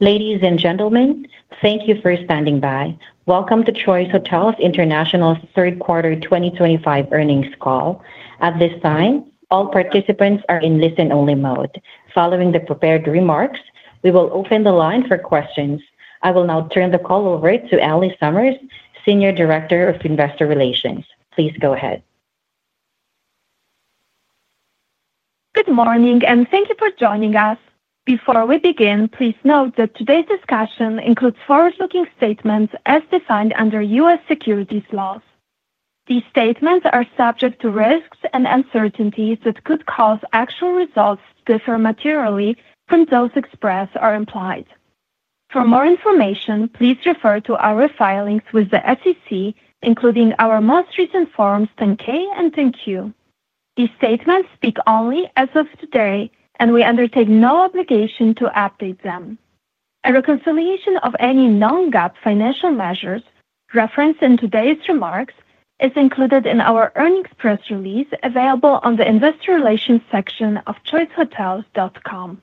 Ladies and gentlemen, thank you for standing by. Welcome to Choice Hotels International's third quarter 2025 earnings call. At this time, all participants are in listen-only mode. Following the prepared remarks, we will open the line for questions. I will now turn the call over to Allie Summers, Senior Director of Investor Relations. Please go ahead. Good morning, and thank you for joining us. Before we begin, please note that today's discussion includes forward-looking statements as defined under U.S. securities laws. These statements are subject to risks and uncertainties that could cause actual results to differ materially from those expressed or implied. For more information, please refer to our filings with the SEC, including our most recent forms 10-K and 10-Q. These statements speak only as of today, and we undertake no obligation to update them. A reconciliation of any non-GAAP financial measures referenced in today's remarks is included in our earnings press release available on the investor relations section of choicehotels.com.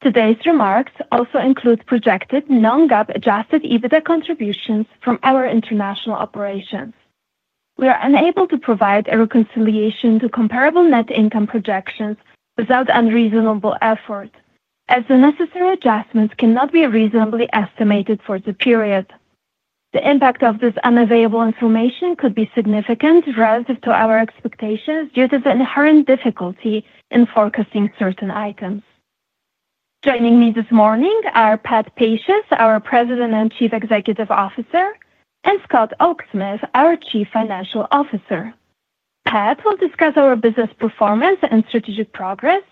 Today's remarks also include projected non-GAAP adjusted EBITDA contributions from our international operations. We are unable to provide a reconciliation to comparable net income projections without unreasonable effort, as the necessary adjustments cannot be reasonably estimated for the period. The impact of this unavailable information could be significant relative to our expectations due to the inherent difficulty in forecasting certain items. Joining me this morning are Pat Pacious, our President and Chief Executive Officer, and Scott Oaksmith, our Chief Financial Officer. Pat will discuss our business performance and strategic progress,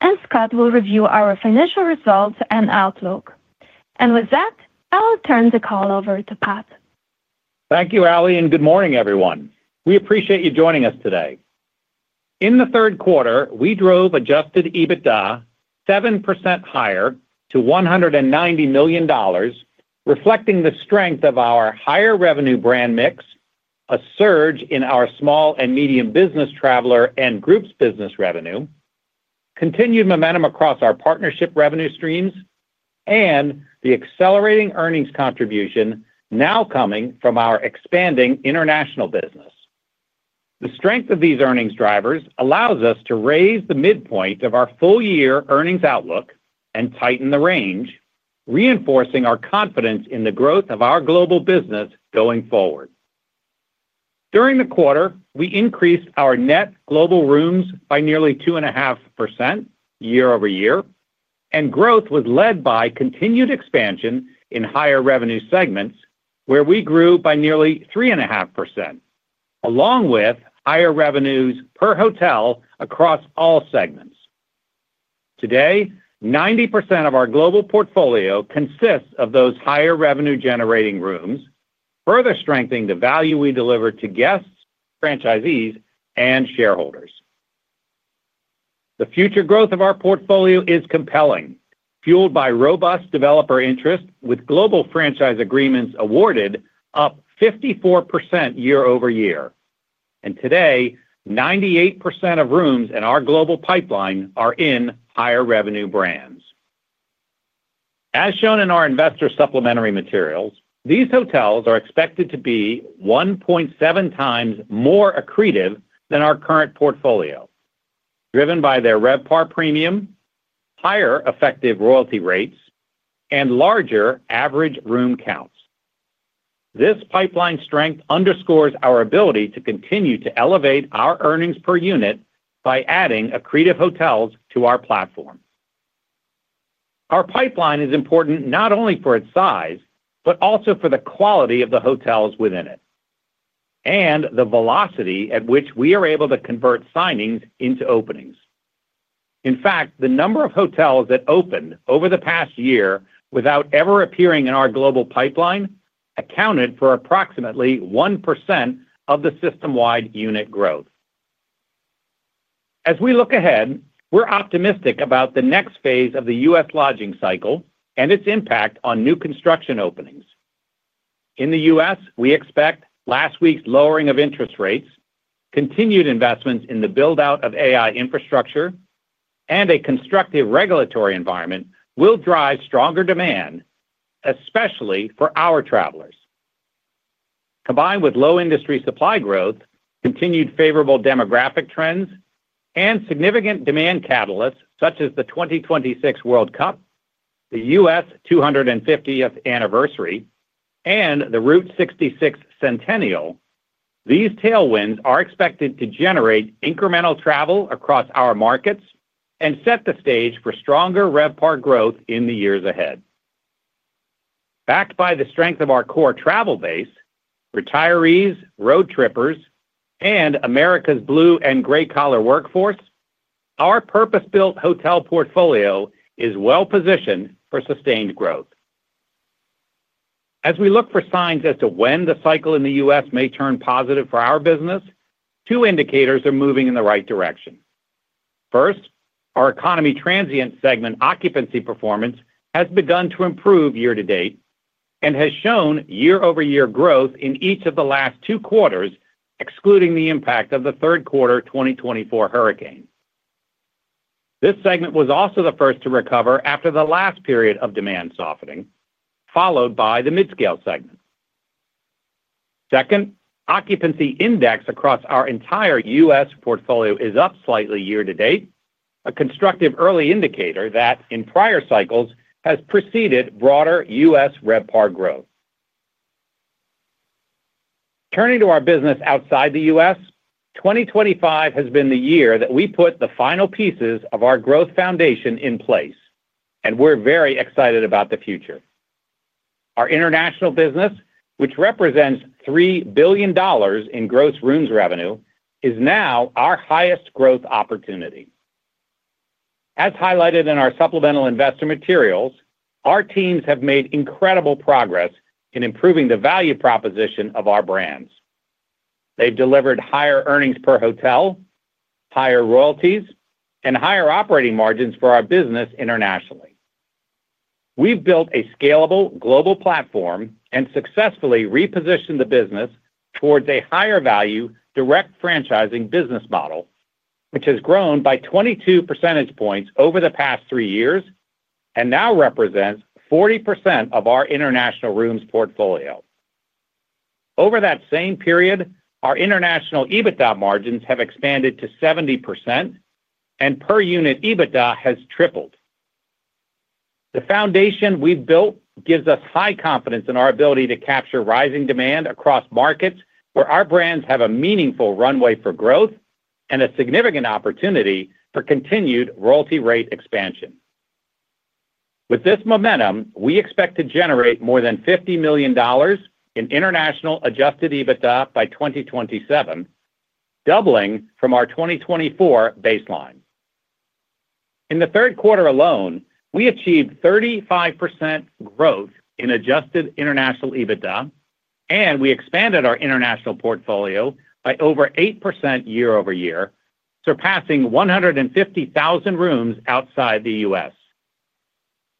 and Scott will review our financial results and outlook. With that, I will turn the call over to Pat. Thank you, Allie, and good morning, everyone. We appreciate you joining us today. In the third quarter, we drove adjusted EBITDA 7% higher to $190 million. Reflecting the strength of our higher revenue brand mix, a surge in our small and medium business traveler and groups business revenue, continued momentum across our partnership revenue streams, and the accelerating earnings contribution now coming from our expanding international business. The strength of these earnings drivers allows us to raise the midpoint of our full-year earnings outlook and tighten the range, reinforcing our confidence in the growth of our global business going forward. During the quarter, we increased our net global rooms by nearly 2.5% year-over-year, and growth was led by continued expansion in higher revenue segments, where we grew by nearly 3.5%. Along with higher revenues per hotel across all segments. Today, 90% of our global portfolio consists of those higher revenue-generating rooms, further strengthening the value we deliver to guests, franchisees, and shareholders. The future growth of our portfolio is compelling, fueled by robust developer interest with global franchise agreements awarded up 54% year-over-year. Today, 98% of rooms in our global pipeline are in higher revenue brands. As shown in our investor supplementary materials, these hotels are expected to be 1.7x more accretive than our current portfolio, driven by their RevPAR premium, higher effective royalty rates, and larger average room counts. This pipeline strength underscores our ability to continue to elevate our earnings per unit by adding accretive hotels to our platform. Our pipeline is important not only for its size, but also for the quality of the hotels within it. The velocity at which we are able to convert signings into openings. In fact, the number of hotels that opened over the past year without ever appearing in our global pipeline accounted for approximately 1% of the system-wide unit growth. As we look ahead, we're optimistic about the next phase of the U.S. lodging cycle and its impact on new construction openings. In the U.S., we expect last week's lowering of interest rates, continued investments in the build-out of AI infrastructure, and a constructive regulatory environment will drive stronger demand, especially for our travelers. Combined with low industry supply growth, continued favorable demographic trends, and significant demand catalysts such as the 2026 World Cup, the U.S. 250th anniversary, and the Route 66 Centennial, these tailwinds are expected to generate incremental travel across our markets and set the stage for stronger RevPAR growth in the years ahead. Backed by the strength of our core travel base, retirees, road trippers, and America's blue and gray-collar workforce, our purpose-built hotel portfolio is well-positioned for sustained growth. As we look for signs as to when the cycle in the U.S. may turn positive for our business, two indicators are moving in the right direction. First, our economy transient segment occupancy performance has begun to improve year-to-date and has shown year-over-year growth in each of the last two quarters, excluding the impact of the third quarter 2024 hurricane. This segment was also the first to recover after the last period of demand softening, followed by the mid-scale segment. Second, occupancy index across our entire U.S. portfolio is up slightly year-to-date, a constructive early indicator that in prior cycles has preceded broader U.S. RevPAR growth. Turning to our business outside the U.S., 2025 has been the year that we put the final pieces of our growth foundation in place, and we're very excited about the future. Our international business, which represents $3 billion in gross rooms revenue, is now our highest growth opportunity. As highlighted in our supplemental investor materials, our teams have made incredible progress in improving the value proposition of our brands. They've delivered higher earnings per hotel, higher royalties, and higher operating margins for our business internationally. We've built a scalable global platform and successfully repositioned the business towards a higher value direct franchising business model, which has grown by 22 percentage points over the past three years and now represents 40% of our international rooms portfolio. Over that same period, our international EBITDA margins have expanded to 70%. And per unit EBITDA has tripled. The foundation we've built gives us high confidence in our ability to capture rising demand across markets where our brands have a meaningful runway for growth and a significant opportunity for continued royalty rate expansion. With this momentum, we expect to generate more than $50 million in international adjusted EBITDA by 2027, doubling from our 2024 baseline. In the third quarter alone, we achieved 35% growth in adjusted international EBITDA, and we expanded our international portfolio by over 8% year-over-year, surpassing 150,000 rooms outside the U.S.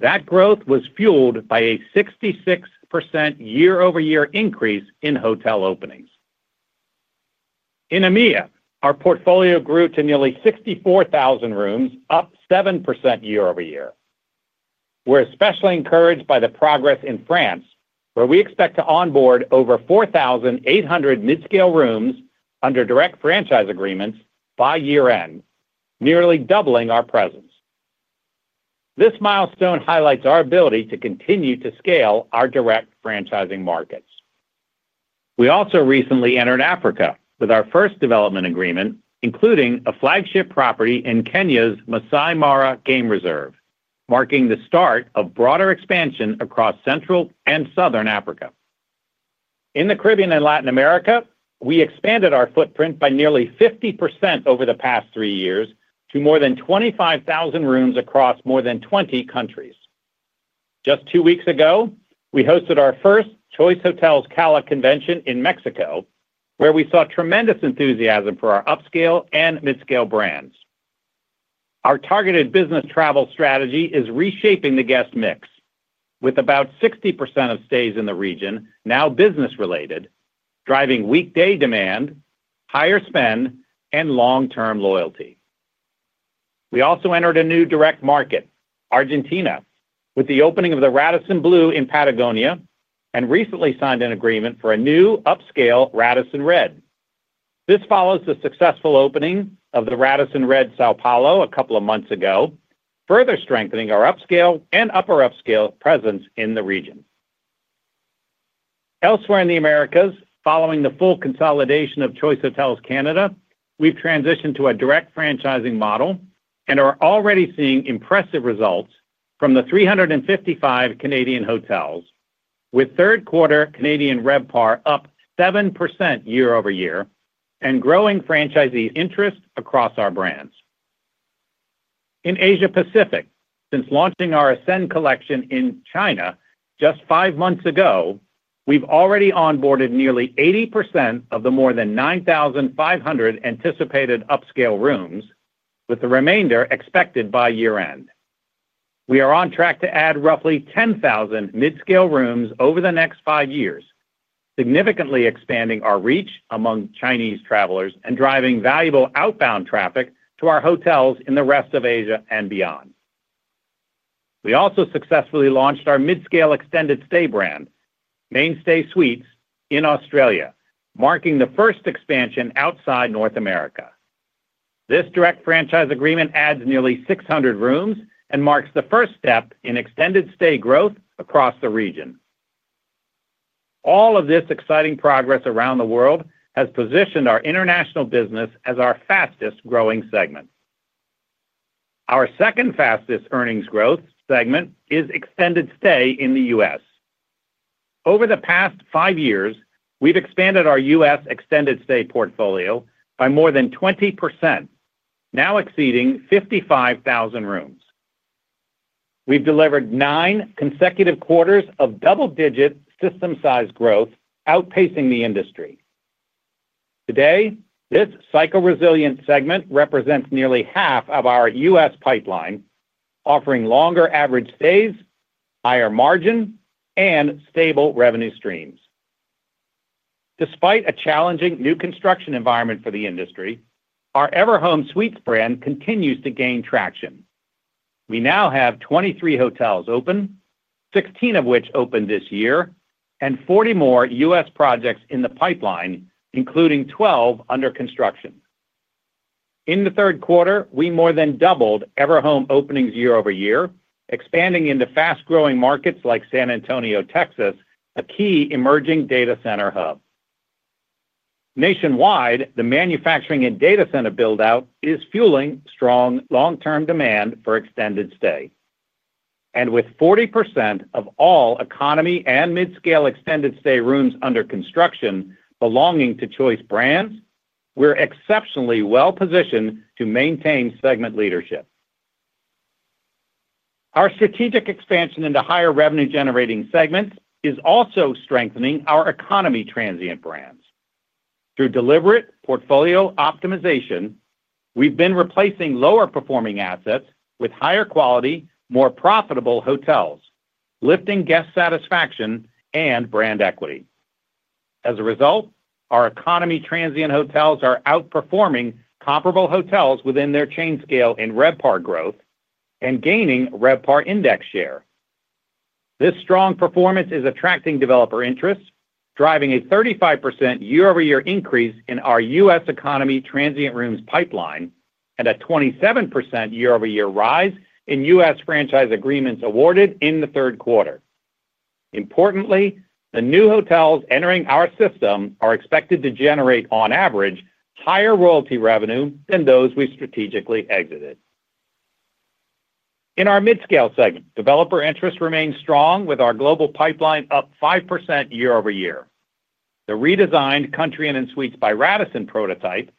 That growth was fueled by a 66% year-over-year increase in hotel openings. In EMEA, our portfolio grew to nearly 64,000 rooms, up 7% year-over-year. We're especially encouraged by the progress in France, where we expect to onboard over 4,800 mid-scale rooms under direct franchise agreements by year-end, nearly doubling our presence. This milestone highlights our ability to continue to scale our direct franchising markets. We also recently entered Africa with our first development agreement, including a flagship property in Kenya's Masai Mara Game Reserve, marking the start of broader expansion across Central and Southern Africa. In the Caribbean and Latin America, we expanded our footprint by nearly 50% over the past three years to more than 25,000 rooms across more than 20 countries. Just two weeks ago, we hosted our first Choice Hotels Cala convention in Mexico, where we saw tremendous enthusiasm for our upscale and mid-scale brands. Our targeted business travel strategy is reshaping the guest mix, with about 60% of stays in the region now business-related, driving weekday demand, higher spend, and long-term loyalty. We also entered a new direct market, Argentina, with the opening of the Radisson Blu in Patagonia and recently signed an agreement for a new upscale Radisson Red. This follows the successful opening of the Radisson Red São Paulo a couple of months ago, further strengthening our upscale and upper upscale presence in the region. Elsewhere in the Americas, following the full consolidation of Choice Hotels Canada, we have transitioned to a direct franchising model and are already seeing impressive results from the 355 Canadian hotels, with third quarter Canadian RevPAR up 7% year-over-year and growing franchisee interest across our brands. In Asia-Pacific, since launching our Ascend Collection in China just five months ago, we have already onboarded nearly 80% of the more than 9,500 anticipated upscale rooms, with the remainder expected by year-end. We are on track to add roughly 10,000 mid-scale rooms over the next five years, significantly expanding our reach among Chinese travelers and driving valuable outbound traffic to our hotels in the rest of Asia and beyond. We also successfully launched our mid-scale extended stay brand, MainStay Suites, in Australia, marking the first expansion outside North America. This direct franchise agreement adds nearly 600 rooms and marks the first step in extended stay growth across the region. All of this exciting progress around the world has positioned our international business as our fastest-growing segment. Our second fastest earnings growth segment is extended stay in the U.S. Over the past five years, we've expanded our U.S. extended stay portfolio by more than 20%. Now exceeding 55,000 rooms. We've delivered nine consecutive quarters of double-digit system-size growth, outpacing the industry. Today, this cycle-resilient segment represents nearly half of our U.S. pipeline, offering longer average stays, higher margin, and stable revenue streams. Despite a challenging new construction environment for the industry, our EverHome Suites brand continues to gain traction. We now have 23 hotels open, 16 of which opened this year, and 40 more U.S. projects in the pipeline, including 12 under construction. In the third quarter, we more than doubled EverHome openings year-over-year, expanding into fast-growing markets like San Antonio, Texas, a key emerging data center hub. Nationwide, the manufacturing and data center build-out is fueling strong long-term demand for extended stay. With 40% of all economy and mid-scale extended stay rooms under construction belonging to Choice brands, we're exceptionally well-positioned to maintain segment leadership. Our strategic expansion into higher revenue-generating segments is also strengthening our economy transient brands. Through deliberate portfolio optimization, we've been replacing lower-performing assets with higher quality, more profitable hotels, lifting guest satisfaction and brand equity. As a result, our economy transient hotels are outperforming comparable hotels within their chain scale in RevPAR growth and gaining RevPAR index share. This strong performance is attracting developer interest, driving a 35% year-over-year increase in our U.S. economy transient rooms pipeline and a 27% year-over-year rise in U.S. franchise agreements awarded in the third quarter. Importantly, the new hotels entering our system are expected to generate, on average, higher royalty revenue than those we strategically exited. In our mid-scale segment, developer interest remains strong with our global pipeline up 5% year-over-year. The redesigned Country Inn & Suites by Radisson prototype,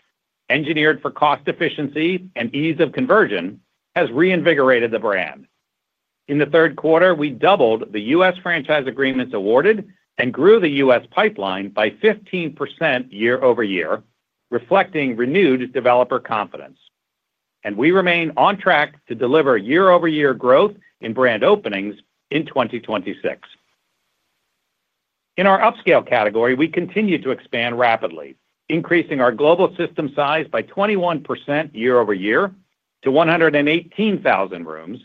engineered for cost efficiency and ease of conversion, has reinvigorated the brand. In the third quarter, we doubled the U.S. franchise agreements awarded and grew the U.S. pipeline by 15% year-over-year, reflecting renewed developer confidence. We remain on track to deliver year-over-year growth in brand openings in 2026. In our upscale category, we continue to expand rapidly, increasing our global system size by 21% year-over-year to 118,000 rooms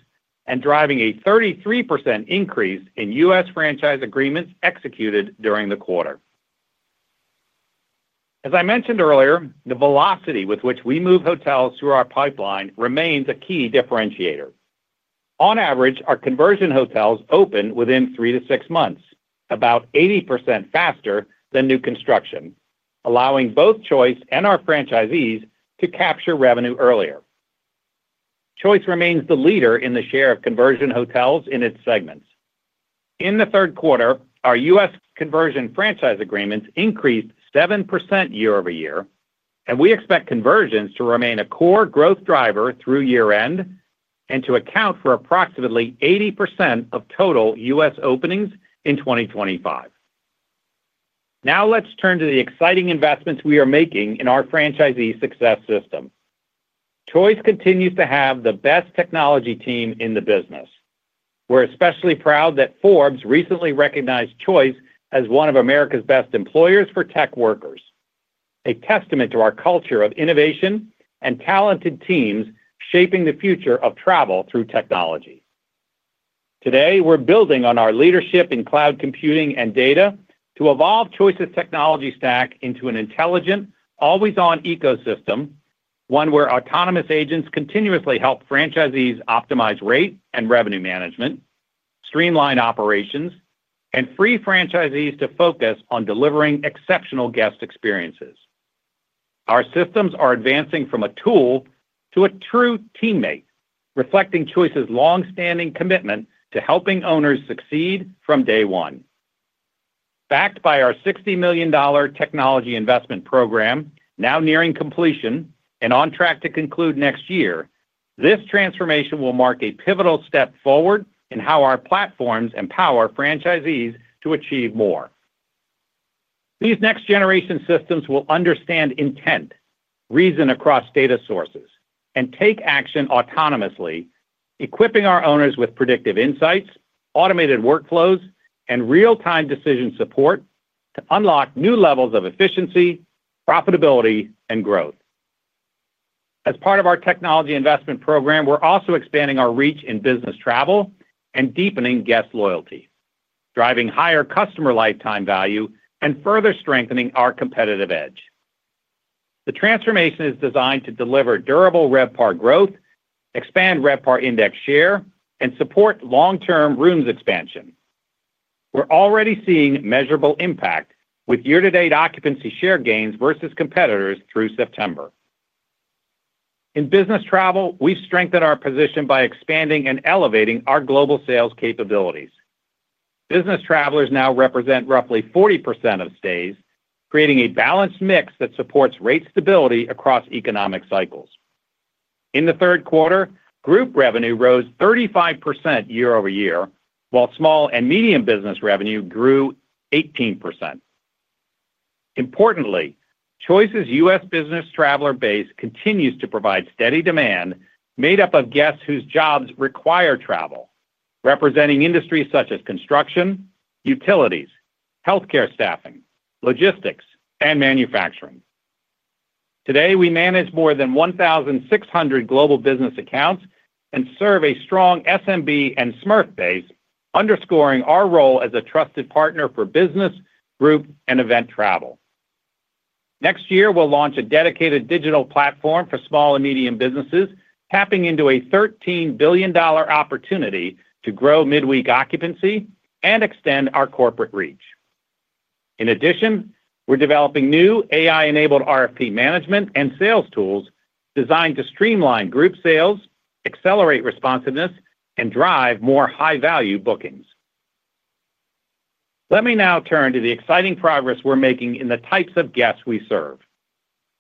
and driving a 33% increase in U.S. franchise agreements executed during the quarter. As I mentioned earlier, the velocity with which we move hotels through our pipeline remains a key differentiator. On average, our conversion hotels open within three to six months, about 80% faster than new construction, allowing both Choice and our franchisees to capture revenue earlier. Choice remains the leader in the share of conversion hotels in its segments. In the third quarter, our U.S. conversion franchise agreements increased 7% year-over-year, and we expect conversions to remain a core growth driver through year-end and to account for approximately 80% of total U.S. openings in 2025. Now let's turn to the exciting investments we are making in our franchisee success system. Choice continues to have the best technology team in the business. We're especially proud that Forbes recently recognized Choice as one of America's best employers for tech workers, a testament to our culture of innovation and talented teams shaping the future of travel through technology. Today, we're building on our leadership in cloud computing and data to evolve Choice's technology stack into an intelligent, always-on ecosystem, one where autonomous agents continuously help franchisees optimize rate and revenue management, streamline operations, and free franchisees to focus on delivering exceptional guest experiences. Our systems are advancing from a tool to a true teammate, reflecting Choice's long-standing commitment to helping owners succeed from day one. Backed by our $60 million technology investment program, now nearing completion and on track to conclude next year, this transformation will mark a pivotal step forward in how our platforms empower franchisees to achieve more. These next-generation systems will understand intent, reason across data sources, and take action autonomously, equipping our owners with predictive insights, automated workflows, and real-time decision support to unlock new levels of efficiency, profitability, and growth. As part of our technology investment program, we're also expanding our reach in business travel and deepening guest loyalty, driving higher customer lifetime value and further strengthening our competitive edge. The transformation is designed to deliver durable RevPAR growth, expand RevPAR index share, and support long-term rooms expansion. We're already seeing measurable impact with year-to-date occupancy share gains versus competitors through September. In business travel, we've strengthened our position by expanding and elevating our global sales capabilities. Business travelers now represent roughly 40% of stays, creating a balanced mix that supports rate stability across economic cycles. In the third quarter, group revenue rose 35% year-over-year, while small and medium business revenue grew 18%. Importantly, Choice's U.S. business traveler base continues to provide steady demand made up of guests whose jobs require travel, representing industries such as construction, utilities, healthcare staffing, logistics, and manufacturing. Today, we manage more than 1,600 global business accounts and serve a strong SMB and Smurf base, underscoring our role as a trusted partner for business, group, and event travel. Next year, we'll launch a dedicated digital platform for small and medium businesses, tapping into a $13 billion opportunity to grow midweek occupancy and extend our corporate reach. In addition, we're developing new AI-enabled RFP management and sales tools designed to streamline group sales, accelerate responsiveness, and drive more high-value bookings. Let me now turn to the exciting progress we're making in the types of guests we serve.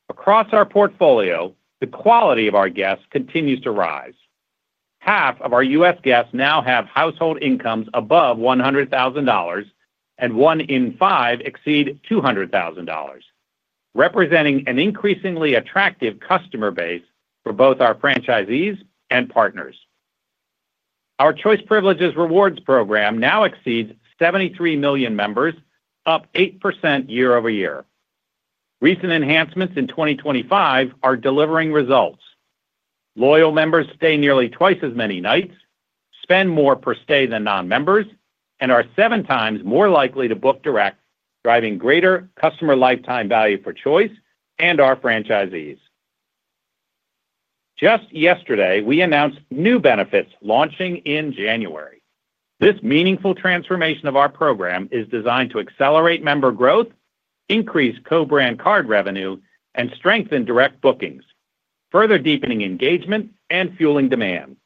Across our portfolio, the quality of our guests continues to rise. Half of our U.S. guests now have household incomes above $100,000, and one in five exceed $200,000. Representing an increasingly attractive customer base for both our franchisees and partners. Our Choice Privileges Rewards program now exceeds 73 million members, up 8% year-over-year. Recent enhancements in 2025 are delivering results. Loyal members stay nearly twice as many nights, spend more per stay than non-members, and are 7x more likely to book direct, driving greater customer lifetime value for Choice and our franchisees. Just yesterday, we announced new benefits launching in January. This meaningful transformation of our program is designed to accelerate member growth, increase co-brand card revenue, and strengthen direct bookings, further deepening engagement and fueling demand.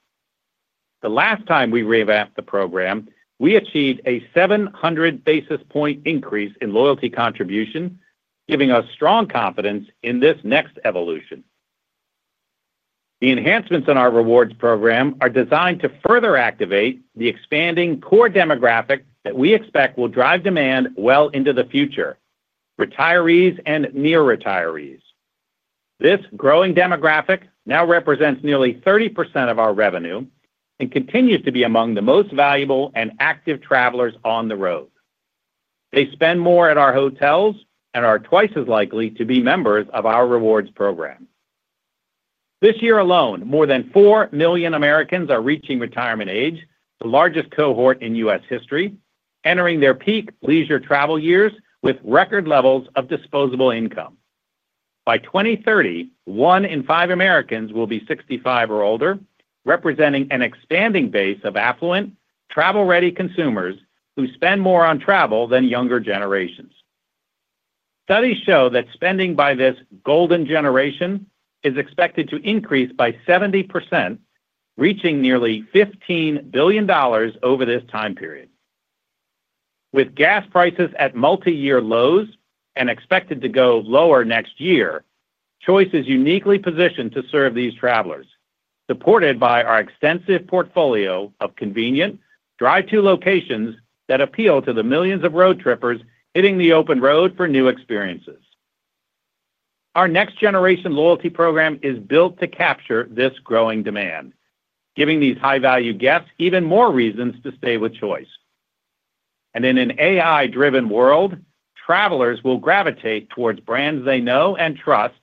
The last time we revamped the program, we achieved a 700 basis point increase in loyalty contribution, giving us strong confidence in this next evolution. The enhancements in our rewards program are designed to further activate the expanding core demographic that we expect will drive demand well into the future. Retirees and near retirees. This growing demographic now represents nearly 30% of our revenue and continues to be among the most valuable and active travelers on the road. They spend more at our hotels and are twice as likely to be members of our rewards program. This year alone, more than 4 million Americans are reaching retirement age, the largest cohort in U.S. history, entering their peak leisure travel years with record levels of disposable income. By 2030, one in five Americans will be 65 years or older, representing an expanding base of affluent, travel-ready consumers who spend more on travel than younger generations. Studies show that spending by this golden generation is expected to increase by 70%, reaching nearly $15 billion over this time period. With gas prices at multi-year lows and expected to go lower next year, Choice is uniquely positioned to serve these travelers, supported by our extensive portfolio of convenient, drive-to locations that appeal to the millions of road trippers hitting the open road for new experiences. Our next-generation loyalty program is built to capture this growing demand, giving these high-value guests even more reasons to stay with Choice. In an AI-driven world, travelers will gravitate towards brands they know and trust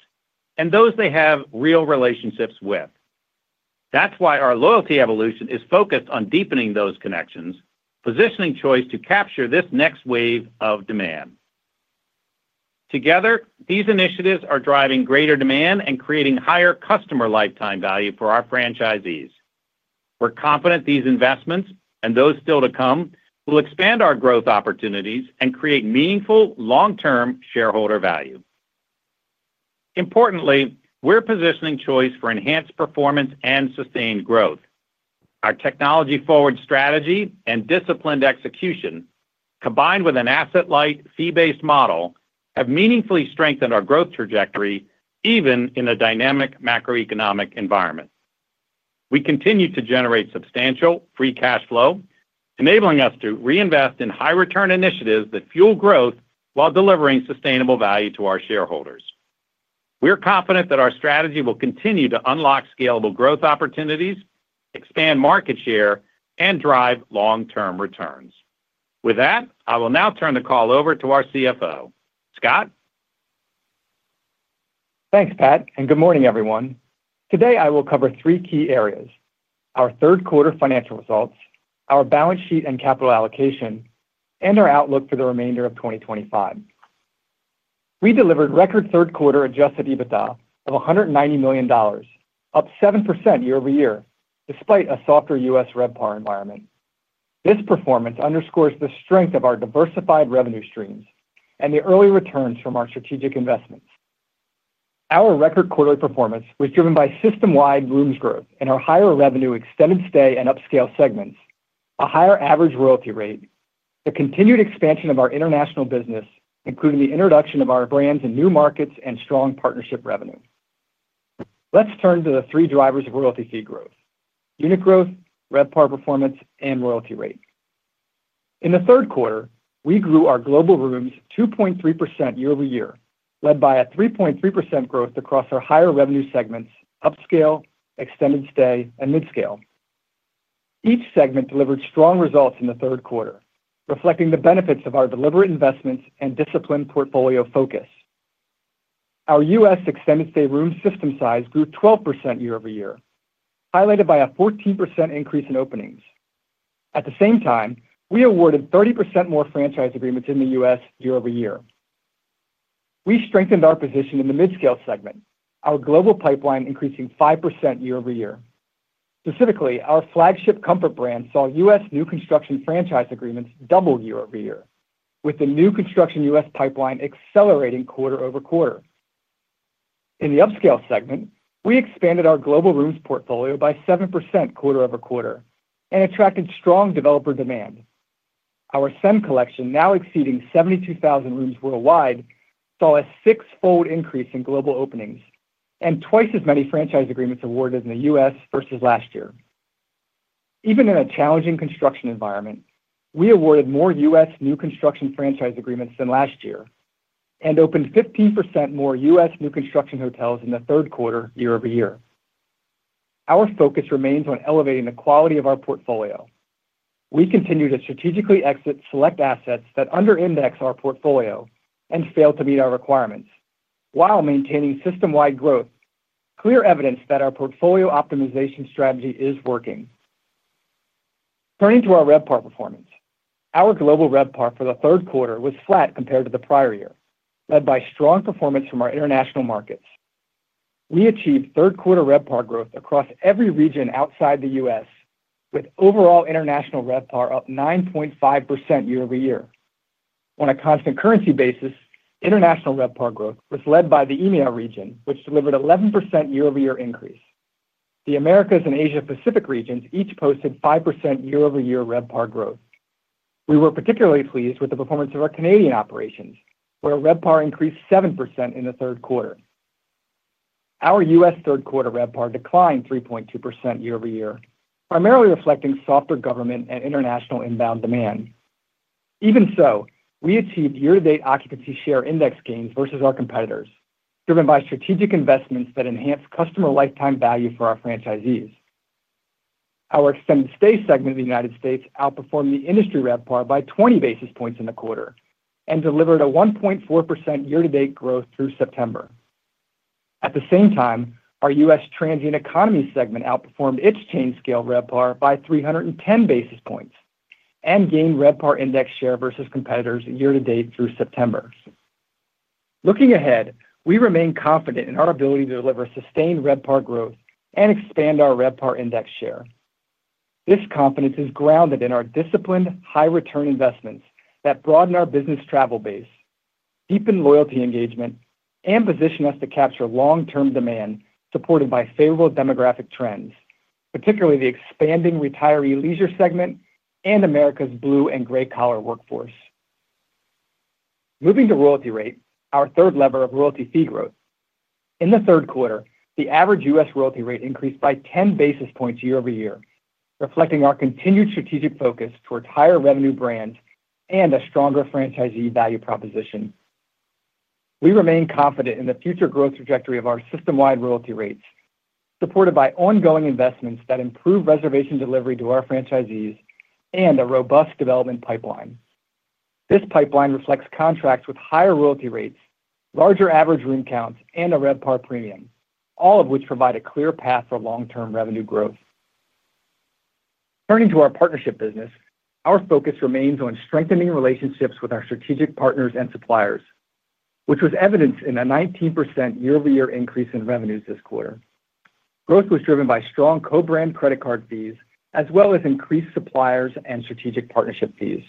and those they have real relationships with. That's why our loyalty evolution is focused on deepening those connections, positioning Choice to capture this next wave of demand. Together, these initiatives are driving greater demand and creating higher customer lifetime value for our franchisees. We're confident these investments and those still to come will expand our growth opportunities and create meaningful long-term shareholder value. Importantly, we're positioning Choice for enhanced performance and sustained growth. Our technology-forward strategy and disciplined execution, combined with an asset-light, fee-based model, have meaningfully strengthened our growth trajectory even in a dynamic macroeconomic environment. We continue to generate substantial free cash flow, enabling us to reinvest in high-return initiatives that fuel growth while delivering sustainable value to our shareholders. We're confident that our strategy will continue to unlock scalable growth opportunities, expand market share, and drive long-term returns. With that, I will now turn the call over to our CFO, Scott. Thanks, Pat, and good morning, everyone. Today, I will cover three key areas: our third-quarter financial results, our balance sheet and capital allocation, and our outlook for the remainder of 2025. We delivered record third-quarter adjusted EBITDA of $190 million, up 7% year-over-year, despite a softer U.S. RevPAR environment. This performance underscores the strength of our diversified revenue streams and the early returns from our strategic investments. Our record quarterly performance was driven by system-wide rooms growth and our higher revenue extended stay and upscale segments, a higher average royalty rate, the continued expansion of our international business, including the introduction of our brands in new markets and strong partnership revenue. Let's turn to the three drivers of royalty fee growth: unit growth, RevPAR performance, and royalty rate. In the third quarter, we grew our global rooms 2.3% year-over-year, led by a 3.3% growth across our higher revenue segments, upscale, extended stay, and mid-scale. Each segment delivered strong results in the third quarter, reflecting the benefits of our deliberate investments and disciplined portfolio focus. Our U.S. extended stay room system size grew 12% year-over-year, highlighted by a 14% increase in openings. At the same time, we awarded 30% more franchise agreements in the U.S. year-over-year. We strengthened our position in the mid-scale segment, our global pipeline increasing 5% year-over-year. Specifically, our flagship Comfort brand saw U.S. new construction franchise agreements double year-over-year, with the new construction U.S. pipeline accelerating quarter-over-quarter. In the upscale segment, we expanded our global rooms portfolio by 7% quarter-over-quarter and attracted strong developer demand. Our SEM collection, now exceeding 72,000 rooms worldwide, saw a six-fold increase in global openings and twice as many franchise agreements awarded in the U.S. versus last year. Even in a challenging construction environment, we awarded more U.S. new construction franchise agreements than last year and opened 15% more U.S. new construction hotels in the third quarter year-over-year. Our focus remains on elevating the quality of our portfolio. We continue to strategically exit select assets that underindex our portfolio and fail to meet our requirements, while maintaining system-wide growth, clear evidence that our portfolio optimization strategy is working. Turning to our RevPAR performance, our global RevPAR for the third quarter was flat compared to the prior year, led by strong performance from our international markets. We achieved third-quarter RevPAR growth across every region outside the U.S., with overall international RevPAR up 9.5% year-over-year. On a constant currency basis, international RevPAR growth was led by the EMEA region, which delivered an 11% year-over-year increase. The Americas and Asia-Pacific regions each posted 5% year-over-year RevPAR growth. We were particularly pleased with the performance of our Canadian operations, where RevPAR increased 7% in the third quarter. Our U.S. third-quarter RevPAR declined 3.2% year-over-year, primarily reflecting softer government and international inbound demand. Even so, we achieved year-to-date occupancy share index gains versus our competitors, driven by strategic investments that enhanced customer lifetime value for our franchisees. Our extended stay segment in the United States outperformed the industry RevPAR by 20 basis points in the quarter and delivered a 1.4% year-to-date growth through September. At the same time, our U.S. transient economy segment outperformed its chain-scale RevPAR by 310 basis points and gained RevPAR index share versus competitors year-to-date through September. Looking ahead, we remain confident in our ability to deliver sustained RevPAR growth and expand our RevPAR index share. This confidence is grounded in our disciplined, high-return investments that broaden our business travel base, deepen loyalty engagement, and position us to capture long-term demand supported by favorable demographic trends, particularly the expanding retiree leisure segment and America's blue and gray-collar workforce. Moving to royalty rate, our third lever of royalty fee growth. In the third quarter, the average U.S. royalty rate increased by 10 basis points year-over-year, reflecting our continued strategic focus towards higher revenue brands and a stronger franchisee value proposition. We remain confident in the future growth trajectory of our system-wide royalty rates, supported by ongoing investments that improve reservation delivery to our franchisees and a robust development pipeline. This pipeline reflects contracts with higher royalty rates, larger average room counts, and a RevPAR premium, all of which provide a clear path for long-term revenue growth. Turning to our partnership business, our focus remains on strengthening relationships with our strategic partners and suppliers, which was evidenced in a 19% year-over-year increase in revenues this quarter. Growth was driven by strong co-brand credit card fees as well as increased suppliers and strategic partnership fees.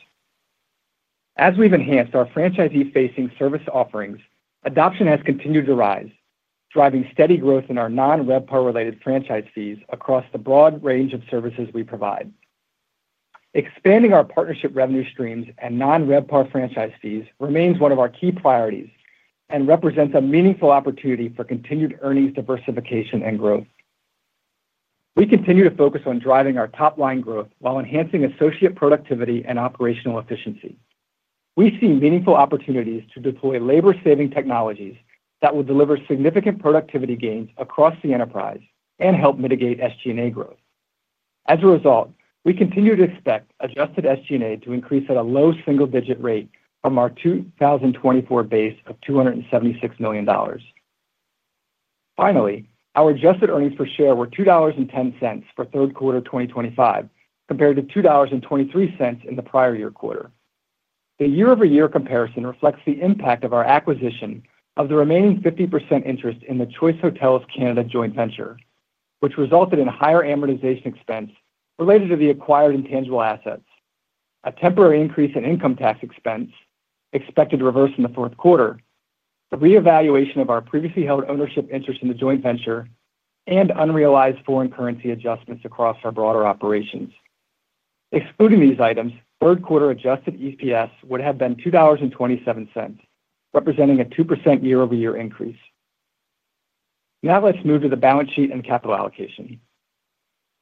As we've enhanced our franchisee-facing service offerings, adoption has continued to rise, driving steady growth in our non-RevPAR-related franchise fees across the broad range of services we provide. Expanding our partnership revenue streams and non-RevPAR franchise fees remains one of our key priorities and represents a meaningful opportunity for continued earnings diversification and growth. We continue to focus on driving our top-line growth while enhancing associate productivity and operational efficiency. We see meaningful opportunities to deploy labor-saving technologies that will deliver significant productivity gains across the enterprise and help mitigate SG&A growth. As a result, we continue to expect adjusted SG&A to increase at a low single-digit rate from our 2024 base of $276 million. Finally, our adjusted earnings per share were $2.10 for third quarter 2025, compared to $2.23 in the prior year quarter. The year-over-year comparison reflects the impact of our acquisition of the remaining 50% interest in the Choice Hotels Canada joint venture, which resulted in higher amortization expense related to the acquired intangible assets, a temporary increase in income tax expense expected to reverse in the fourth quarter, the reevaluation of our previously held ownership interest in the joint venture, and unrealized foreign currency adjustments across our broader operations. Excluding these items, third-quarter adjusted EPS would have been $2.27, representing a 2% year-over-year increase. Now let's move to the balance sheet and capital allocation.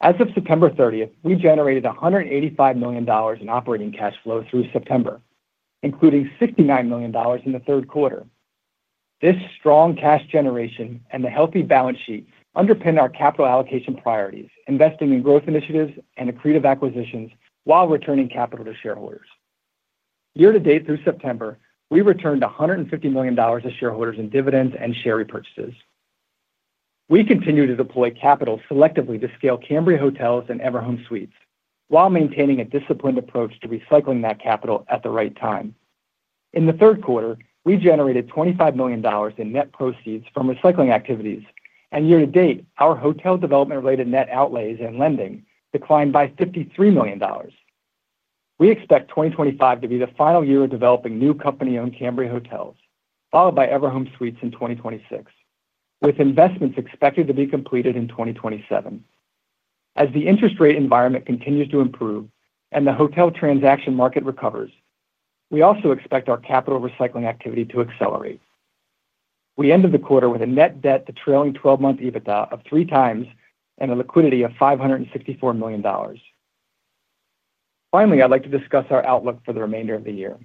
As of September 30th, we generated $185 million in operating cash flow through September, including $69 million in the third quarter. This strong cash generation and the healthy balance sheet underpin our capital allocation priorities, investing in growth initiatives and accretive acquisitions while returning capital to shareholders. Year-to-date through September, we returned $150 million to shareholders in dividends and share repurchases. We continue to deploy capital selectively to scale Cambria Hotels and EverHome Suites, while maintaining a disciplined approach to recycling that capital at the right time. In the third quarter, we generated $25 million in net proceeds from recycling activities, and year-to-date, our hotel development-related net outlays and lending declined by $53 million. We expect 2025 to be the final year of developing new company-owned Cambria Hotels, followed by EverHome Suites in 2026, with investments expected to be completed in 2027. As the interest rate environment continues to improve and the hotel transaction market recovers, we also expect our capital recycling activity to accelerate. We ended the quarter with a net debt to trailing 12-month EBITDA of 3x and a liquidity of $564 million. Finally, I'd like to discuss our outlook for the remainder of the year.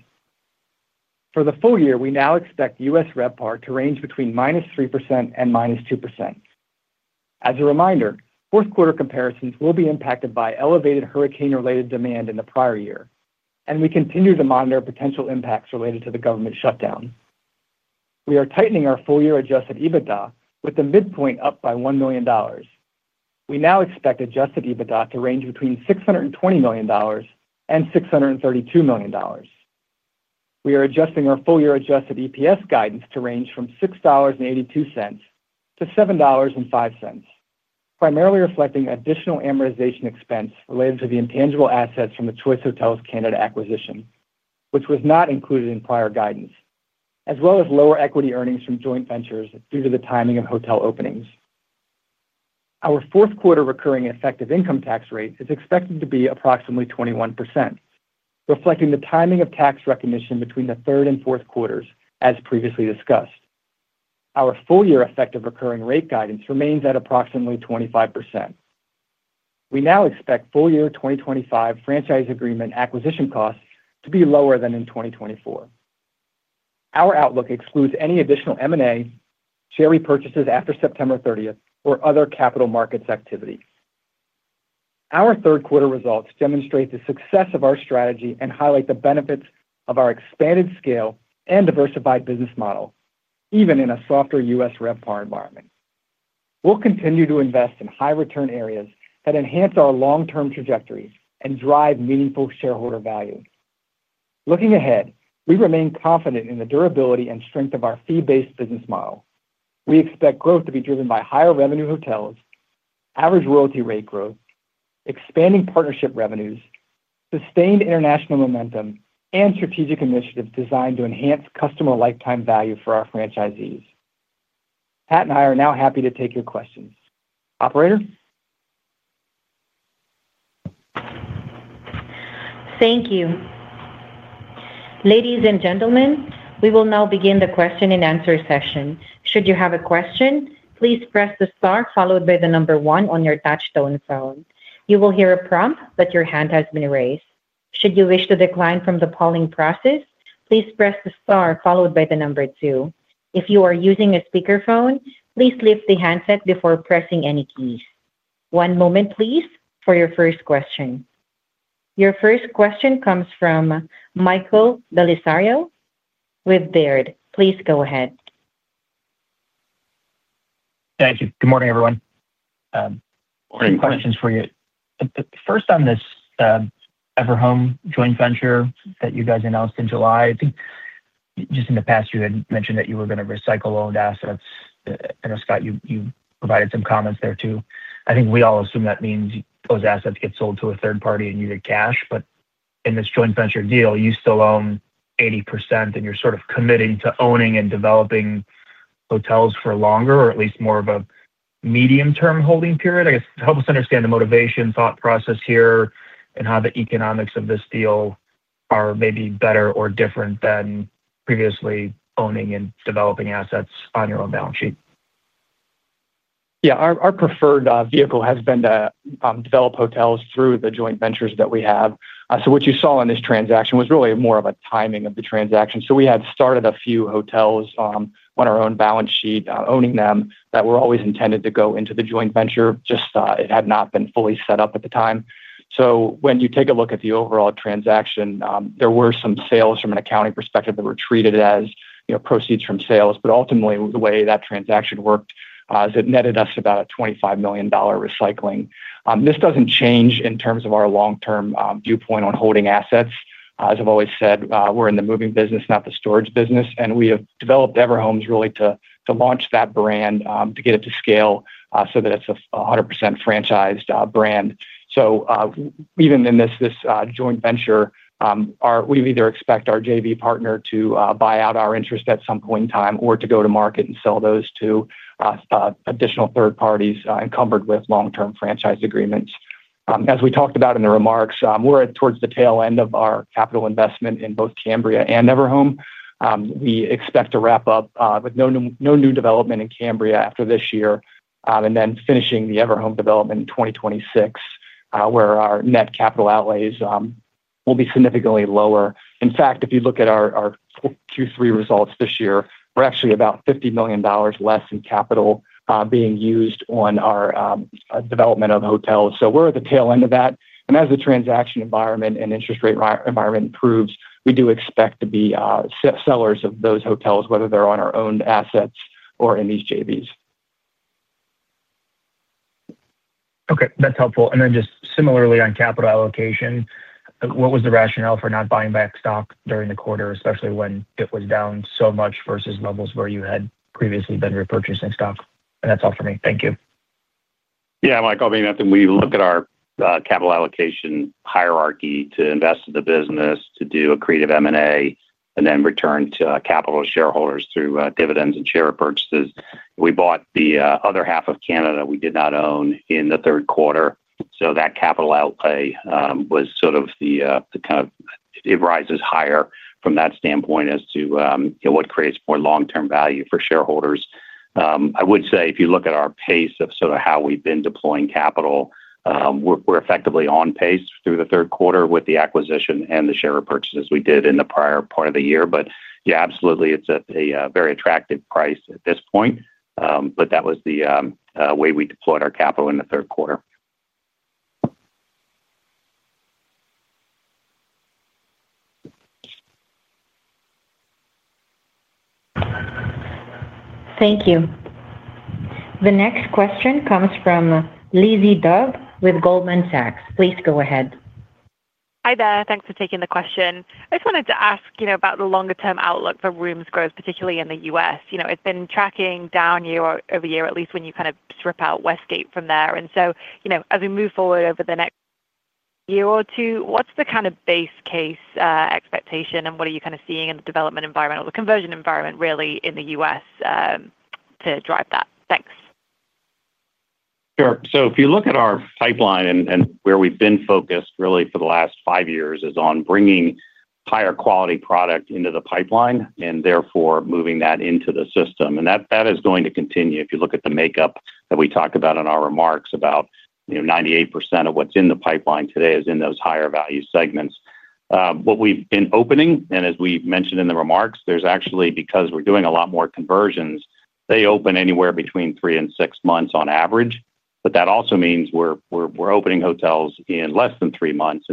For the full year, we now expect U.S. RevPAR to range between -3% and -2%. As a reminder, fourth-quarter comparisons will be impacted by elevated hurricane-related demand in the prior year, and we continue to monitor potential impacts related to the government shutdown. We are tightening our full-year adjusted EBITDA with the midpoint up by $1 million. We now expect adjusted EBITDA to range between $620 million and $632 million. We are adjusting our full-year adjusted EPS guidance to range from $6.82-$7.05. Primarily reflecting additional amortization expense related to the intangible assets from the Choice Hotels Canada acquisition, which was not included in prior guidance, as well as lower equity earnings from joint ventures due to the timing of hotel openings. Our fourth-quarter recurring effective income tax rate is expected to be approximately 21%, reflecting the timing of tax recognition between the third and fourth quarters, as previously discussed. Our full-year effective recurring rate guidance remains at approximately 25%. We now expect full-year 2025 franchise agreement acquisition costs to be lower than in 2024. Our outlook excludes any additional M&A, share repurchases after September 30th, or other capital markets activities. Our third-quarter results demonstrate the success of our strategy and highlight the benefits of our expanded scale and diversified business model, even in a softer U.S. RevPAR environment. We'll continue to invest in high-return areas that enhance our long-term trajectory and drive meaningful shareholder value. Looking ahead, we remain confident in the durability and strength of our fee-based business model. We expect growth to be driven by higher revenue hotels, average royalty rate growth, expanding partnership revenues, sustained international momentum, and strategic initiatives designed to enhance customer lifetime value for our franchisees. Pat and I are now happy to take your questions. Operator? Thank you. Ladies and gentlemen, we will now begin the question-and-answer session. Should you have a question, please press the star followed by the number one on your touchstone phone. You will hear a prompt, but your hand has been raised. Should you wish to decline from the polling process, please press the star followed by the number two. If you are using a speakerphone, please lift the handset before pressing any keys. One moment, please, for your first question. Your first question comes from Michael Bellisario with Baird. Please go ahead. Thank you. Good morning, everyone. Questions for you. First, on this EverHome joint venture that you guys announced in July, I think just in the past, you had mentioned that you were going to recycle owned assets. I know, Scott, you provided some comments there too. I think we all assume that means those assets get sold to a third party and you get cash. In this joint venture deal, you still own 80%, and you are sort of committing to owning and developing hotels for longer, or at least more of a medium-term holding period. I guess help us understand the motivation, thought process here, and how the economics of this deal are maybe better or different than previously owning and developing assets on your own balance sheet. Yeah. Our preferred vehicle has been to develop hotels through the joint ventures that we have. What you saw in this transaction was really more of a timing of the transaction. We had started a few hotels on our own balance sheet, owning them, that were always intended to go into the joint venture. It had not been fully set up at the time. When you take a look at the overall transaction, there were some sales from an accounting perspective that were treated as proceeds from sales. Ultimately, the way that transaction worked is it netted us about a $25 million recycling. This does not change in terms of our long-term viewpoint on holding assets. As I have always said, we are in the moving business, not the storage business. We have developed EverHome Suites really to launch that brand, to get it to scale so that it is a 100% franchised brand. Even in this joint venture, we either expect our JV partner to buy out our interest at some point in time or to go to market and sell those to additional third parties encumbered with long-term franchise agreements. As we talked about in the remarks, we are towards the tail end of our capital investment in both Cambria and EverHome. We expect to wrap up with no new development in Cambria after this year and then finishing the EverHome development in 2026, where our net capital outlays will be significantly lower. In fact, if you look at our Q3 results this year, we're actually about $50 million less in capital being used on our development of hotels. We're at the tail end of that. As the transaction environment and interest rate environment improves, we do expect to be sellers of those hotels, whether they're on our owned assets or in these JVs. Okay. That's helpful. Just similarly on capital allocation, what was the rationale for not buying back stock during the quarter, especially when it was down so much versus levels where you had previously been repurchasing stock? That's all for me. Thank you. Yeah. Like all being that, when we look at our capital allocation hierarchy to invest in the business, to do accretive M&A, and then return to capital shareholders through dividends and share repurchases, we bought the other half of Canada we did not own in the third quarter. So that capital outlay was sort of the kind of it rises higher from that standpoint as to what creates more long-term value for shareholders. I would say if you look at our pace of sort of how we've been deploying capital, we're effectively on pace through the third quarter with the acquisition and the share repurchases we did in the prior part of the year. Yeah, absolutely, it's a very attractive price at this point. That was the way we deployed our capital in the third quarter. Thank you. The next question comes from Lizzie Dove with Goldman Sachs. Please go ahead. Hi there. Thanks for taking the question. I just wanted to ask about the longer-term outlook for rooms growth, particularly in the U.S. You know, it's been tracking down year-over-year, at least when you kind of strip out Westgate from there. As we move forward over the next year or two, what's the kind of base case expectation and what are you kind of seeing in the development environment or the conversion environment really in the U.S. to drive that? Thanks. Sure. If you look at our pipeline and where we've been focused really for the last five years is on bringing higher quality product into the pipeline and therefore moving that into the system. That is going to continue if you look at the makeup that we talked about in our remarks about 98% of what's in the pipeline today is in those higher value segments. What we've been opening, and as we mentioned in the remarks, there's actually, because we're doing a lot more conversions, they open anywhere between three and six months on average. That also means we're opening hotels in less than three months.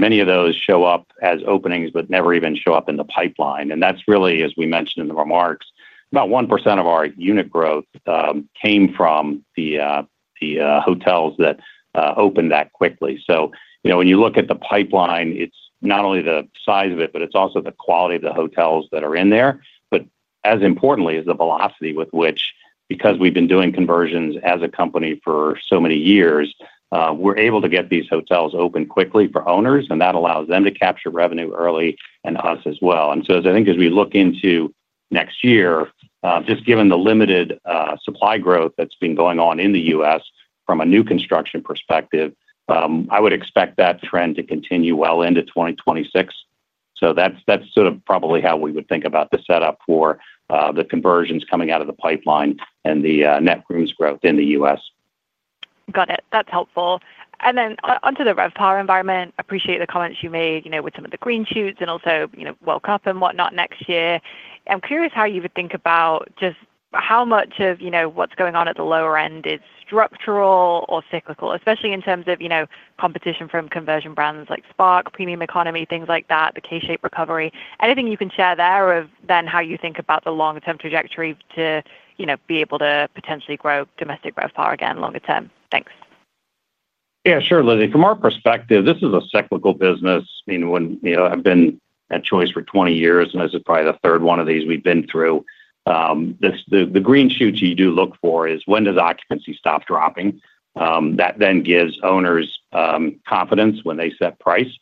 Many of those show up as openings but never even show up in the pipeline. That's really, as we mentioned in the remarks, about 1% of our unit growth came from the hotels that opened that quickly. When you look at the pipeline, it's not only the size of it, but it's also the quality of the hotels that are in there. As importantly as the velocity with which, because we have been doing conversions as a company for so many years, we are able to get these hotels open quickly for owners, and that allows them to capture revenue early and us as well. I think as we look into next year, just given the limited supply growth that has been going on in the U.S. from a new construction perspective, I would expect that trend to continue well into 2026. That is probably how we would think about the setup for the conversions coming out of the pipeline and the net rooms growth in the U.S. Got it. That is helpful. Then onto the RevPAR environment, appreciate the comments you made with some of the green shoots and also welcome and whatnot next year. I'm curious how you would think about just how much of what's going on at the lower end is structural or cyclical, especially in terms of competition from conversion brands like Spark, Premium Economy, things like that, the K-shaped recovery. Anything you can share there of then how you think about the long-term trajectory to be able to potentially grow domestic RevPAR again longer term? Thanks. Yeah, sure, Lizzie. From our perspective, this is a cyclical business. I mean, I've been at Choice for 20 years, and this is probably the third one of these we've been through. The green shoots you do look for is when does occupancy stop dropping? That then gives owners confidence when they set price.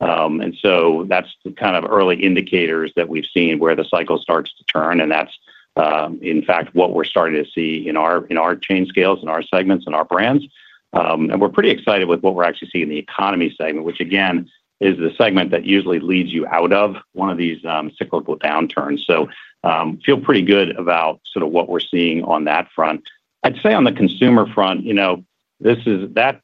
And so that's the kind of early indicators that we've seen where the cycle starts to turn. That is, in fact, what we are starting to see in our chain scales, in our segments, and our brands. We are pretty excited with what we are actually seeing in the economy segment, which, again, is the segment that usually leads you out of one of these cyclical downturns. I feel pretty good about what we are seeing on that front. I would say on the consumer front, that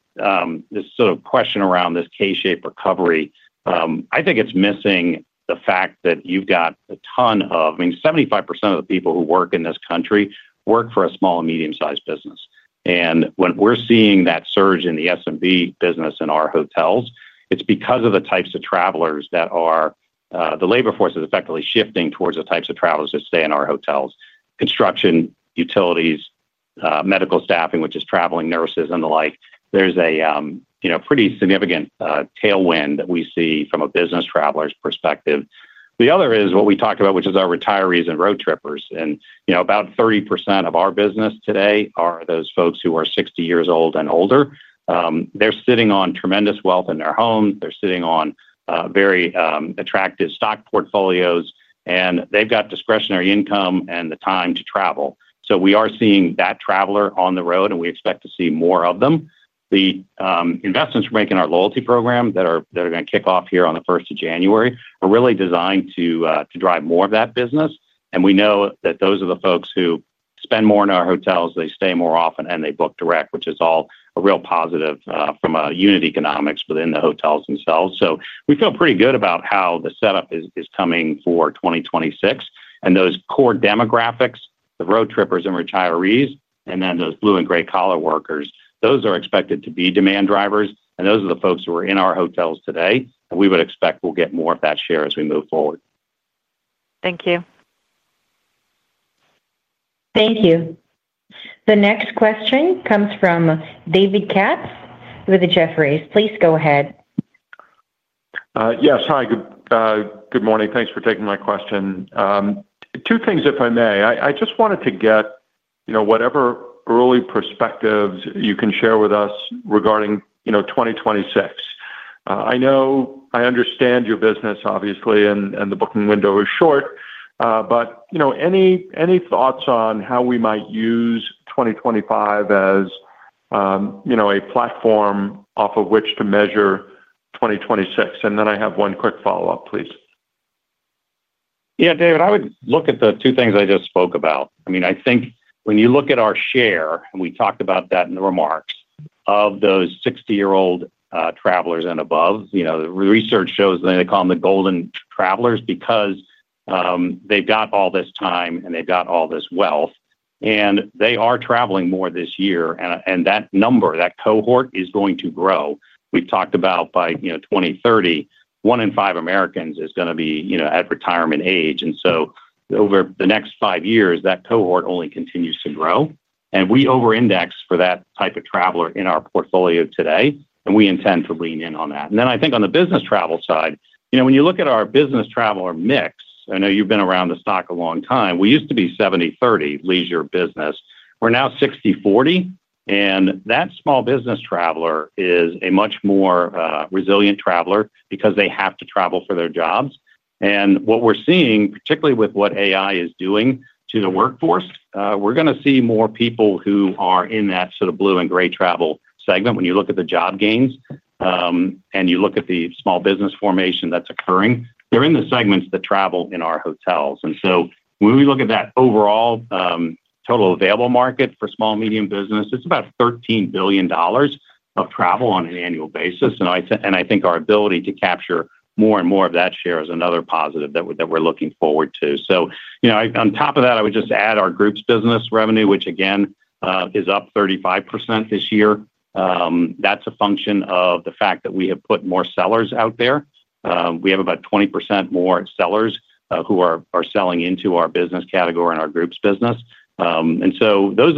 sort of question around this K-shaped recovery, I think it is missing the fact that you have got a ton of, I mean, 75% of the people who work in this country work for a small and medium-sized business. When we're seeing that surge in the S&B business in our hotels, it's because the types of travelers that are, the labor force is effectively shifting towards the types of travelers that stay in our hotels: construction, utilities, medical staffing, which is traveling nurses and the like. There's a pretty significant tailwind that we see from a business traveler's perspective. The other is what we talked about, which is our retirees and road trippers. About 30% of our business today are those folks who are 60 years old and older. They're sitting on tremendous wealth in their homes. They're sitting on very attractive stock portfolios, and they've got discretionary income and the time to travel. We are seeing that traveler on the road, and we expect to see more of them. The investments we're making in our loyalty program that are going to kick off here on the 1st of January are really designed to drive more of that business. We know that those are the folks who spend more in our hotels. They stay more often, and they book direct, which is all a real positive from a unit economics within the hotels themselves. We feel pretty good about how the setup is coming for 2026. Those core demographics, the road trippers and retirees, and then those blue and gray collar workers, those are expected to be demand drivers. Those are the folks who are in our hotels today. We would expect we'll get more of that share as we move forward. Thank you. Thank you. The next question comes from David Katz with Jefferies. Please go ahead. Yes. Hi. Good morning. Thanks for taking my question. Two things, if I may. I just wanted to get whatever early perspectives you can share with us regarding 2026. I know I understand your business, obviously, and the booking window is short. Any thoughts on how we might use 2025 as a platform off of which to measure 2026? I have one quick follow-up, please. Yeah, David, I would look at the two things I just spoke about. I mean, I think when you look at our share, and we talked about that in the remarks, of those 60-year-old travelers and above, the research shows they call them the golden travelers because they've got all this time and they've got all this wealth. They are traveling more this year. That number, that cohort, is going to grow. We've talked about by 2030, one in five Americans is going to be at retirement age. Over the next five years, that cohort only continues to grow. We over-index for that type of traveler in our portfolio today. We intend to lean in on that. I think on the business travel side, when you look at our business traveler mix, I know you've been around the stock a long time. We used to be 70/30 leisure business. We're now 60/40. That small business traveler is a much more resilient traveler because they have to travel for their jobs. What we're seeing, particularly with what AI is doing to the workforce, we're going to see more people who are in that sort of blue and gray travel segment. When you look at the job gains. You look at the small business formation that's occurring, they're in the segments that travel in our hotels. When we look at that overall total available market for small and medium business, it's about $13 billion of travel on an annual basis. I think our ability to capture more and more of that share is another positive that we're looking forward to. On top of that, I would just add our group's business revenue, which, again, is up 35% this year. That's a function of the fact that we have put more sellers out there. We have about 20% more sellers who are selling into our business category and our group's business. Those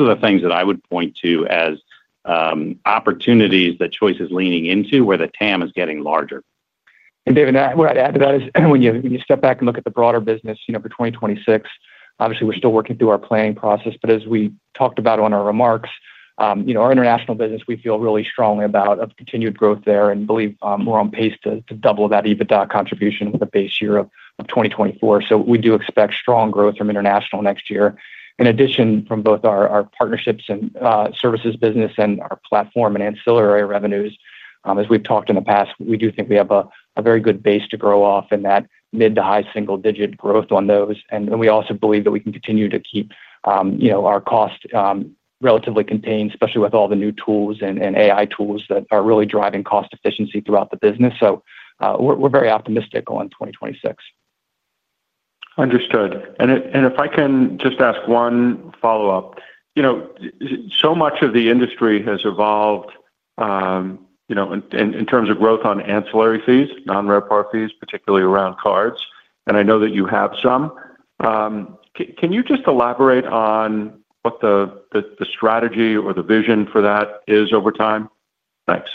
are the things that I would point to as opportunities that Choice is leaning into where the TAM is getting larger. David, what I'd add to that is when you step back and look at the broader business for 2026, obviously, we're still working through our planning process. As we talked about in our remarks, our international business, we feel really strongly about continued growth there and believe we're on pace to double that EBITDA contribution with a base year of 2024. We do expect strong growth from international next year. In addition, from both our partnerships and services business and our platform and ancillary revenues, as we've talked in the past, we do think we have a very good base to grow off in that mid to high single-digit growth on those. We also believe that we can continue to keep our cost relatively contained, especially with all the new tools and AI tools that are really driving cost efficiency throughout the business. We're very optimistic on 2026. Understood. If I can just ask one follow-up. So much of the industry has evolved in terms of growth on ancillary fees, non-RevPAR fees, particularly around cards. I know that you have some. Can you just elaborate on what the strategy or the vision for that is over time? Thanks.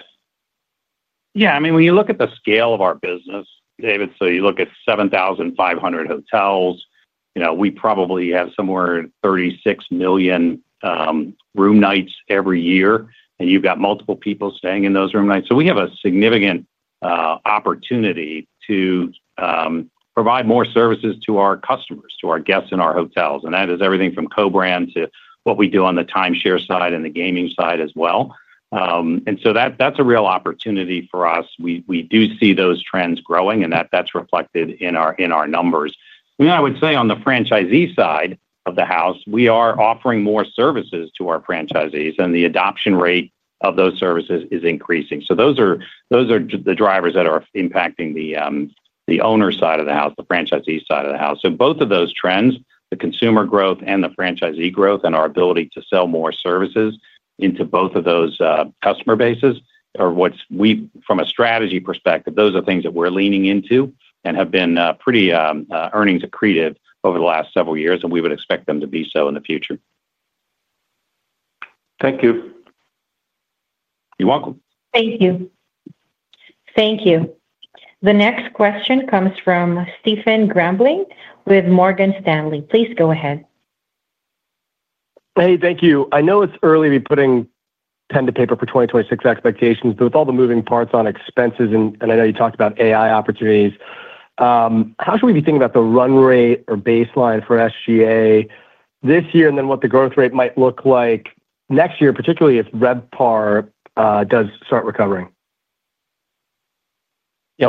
Yeah. I mean, when you look at the scale of our business, David, you look at 7,500 hotels. We probably have somewhere in 36 million room nights every year, and you've got multiple people staying in those room nights. We have a significant opportunity to provide more services to our customers, to our guests in our hotels. That is everything from CoBrand to what we do on the timeshare side and the gaming side as well. That's a real opportunity for us. We do see those trends growing, and that's reflected in our numbers. I mean, I would say on the franchisee side of the house, we are offering more services to our franchisees, and the adoption rate of those services is increasing. Those are the drivers that are impacting the owner side of the house, the franchisee side of the house. Both of those trends, the consumer growth and the franchisee growth and our ability to sell more services into both of those customer bases, or from a strategy perspective, those are things that we're leaning into and have been pretty earnings accretive over the last several years, and we would expect them to be so in the future. Thank you. You're welcome. Thank you. Thank you. The next question comes from Stephen Grambling with Morgan Stanley. Please go ahead. Hey, thank you. I know it's early to be putting pen to paper for 2026 expectations, but with all the moving parts on expenses, and I know you talked about AI opportunities. How should we be thinking about the run rate or baseline for SG&A this year and then what the growth rate might look like next year, particularly if RevPAR does start recovering? Yeah.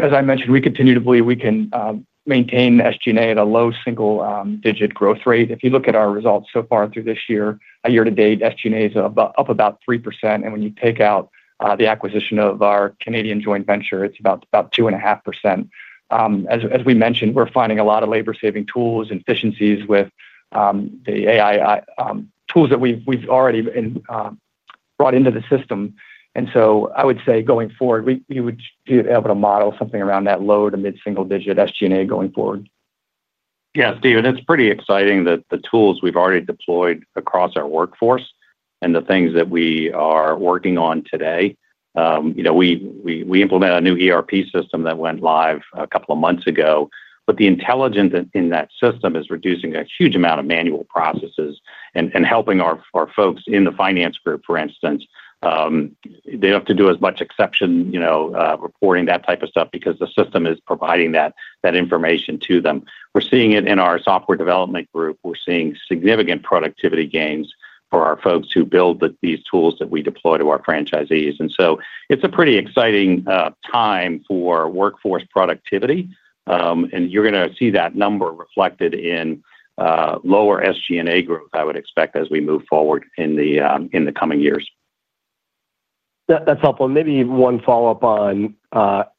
As I mentioned, we continue to believe we can maintain SG&A at a low single-digit growth rate. If you look at our results so far through this year, year-to-date, SG&A is up about 3%. And when you take out the acquisition of our Canadian joint venture, it's about 2.5%. As we mentioned, we're finding a lot of labor-saving tools and efficiencies with the AI tools that we've already brought into the system. I would say going forward, we would be able to model something around that low to mid-single-digit SG&A going forward. Yes, Stephen, it's pretty exciting that the tools we've already deployed across our workforce and the things that we are working on today, we implemented a new ERP system that went live a couple of months ago. The intelligence in that system is reducing a huge amount of manual processes and helping our folks in the finance group, for instance. They do not have to do as much exception reporting, that type of stuff, because the system is providing that information to them. We're seeing it in our software development group. We're seeing significant productivity gains for our folks who build these tools that we deploy to our franchisees. It's a pretty exciting time for workforce productivity. You're going to see that number reflected in lower SG&A growth, I would expect, as we move forward in the coming years. That's helpful. Maybe one follow-up on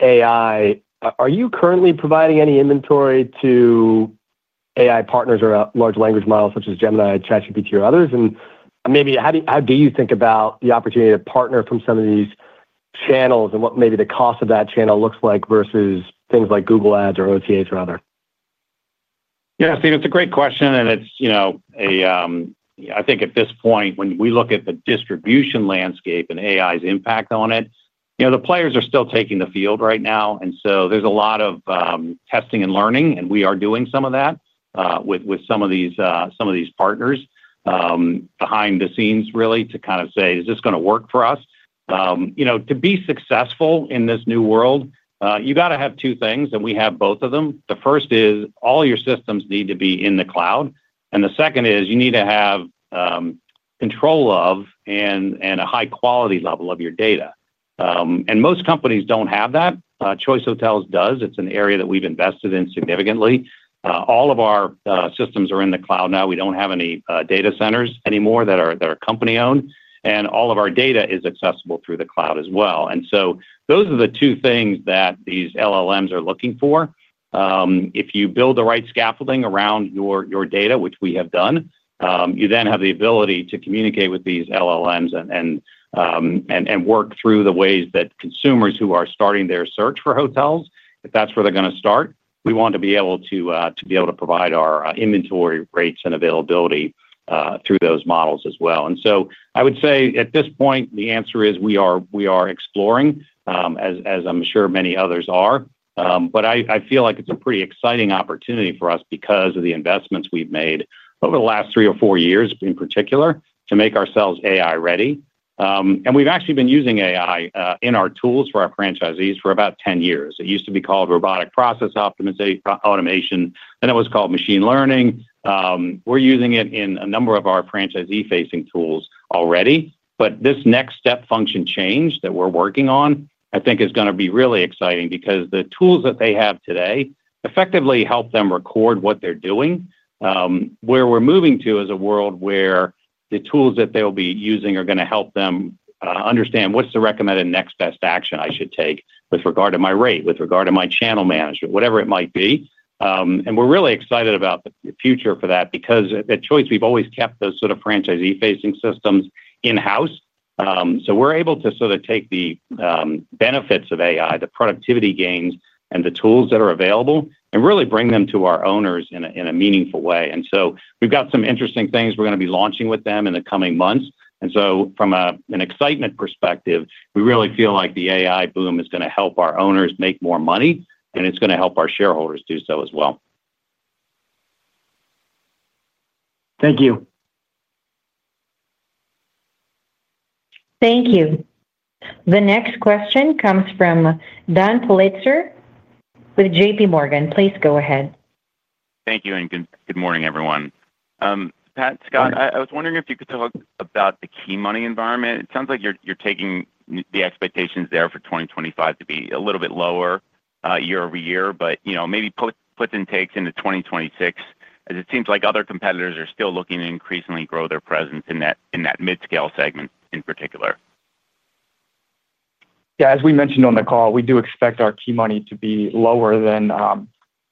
AI. Are you currently providing any inventory to AI partners or large language models such as Gemini, ChatGPT, or others? And maybe how do you think about the opportunity to partner from some of these channels and what maybe the cost of that channel looks like versus things like Google Ads or OTAs rather? Yeah, Stephen, it's a great question. I think at this point, when we look at the distribution landscape and AI's impact on it, the players are still taking the field right now. There is a lot of testing and learning, and we are doing some of that with some of these partners behind the scenes, really, to kind of say, "Is this going to work for us?" To be successful in this new world, you got to have two things, and we have both of them. The first is all your systems need to be in the cloud. The second is you need to have control of and a high-quality level of your data. Most companies do not have that. Choice Hotels does. It is an area that we have invested in significantly. All of our systems are in the cloud now. We do not have any data centers anymore that are company-owned. All of our data is accessible through the cloud as well. Those are the two things that these LLMs are looking for. If you build the right scaffolding around your data, which we have done, you then have the ability to communicate with these LLMs and work through the ways that consumers who are starting their search for hotels, if that's where they're going to start, we want to be able to provide our inventory rates and availability through those models as well. I would say, at this point, the answer is we are exploring. As I'm sure many others are. I feel like it's a pretty exciting opportunity for us because of the investments we've made over the last three or four years in particular to make ourselves AI-ready. We've actually been using AI in our tools for our franchisees for about 10 years. It used to be called robotic process optimization. Then it was called machine learning. We're using it in a number of our franchisee-facing tools already. This next step function change that we're working on, I think, is going to be really exciting because the tools that they have today effectively help them record what they're doing. Where we're moving to is a world where the tools that they'll be using are going to help them understand what's the recommended next best action I should take with regard to my rate, with regard to my channel management, whatever it might be. We're really excited about the future for that because at Choice, we've always kept those sort of franchisee-facing systems in-house. We're able to sort of take the benefits of AI, the productivity gains, and the tools that are available and really bring them to our owners in a meaningful way. We've got some interesting things we're going to be launching with them in the coming months. From an excitement perspective, we really feel like the AI boom is going to help our owners make more money, and it is going to help our shareholders do so as well. Thank you. Thank you. The next question comes from Don Pulitzer with JPMorgan. Please go ahead. Thank you. And good morning, everyone. Pat, Scott, I was wondering if you could talk about the key money environment. It sounds like you are taking the expectations there for 2025 to be a little bit lower year-over-year, but maybe puts and takes into 2026, as it seems like other competitors are still looking to increasingly grow their presence in that mid-scale segment in particular. Yeah, as we mentioned on the call, we do expect our key money to be lower than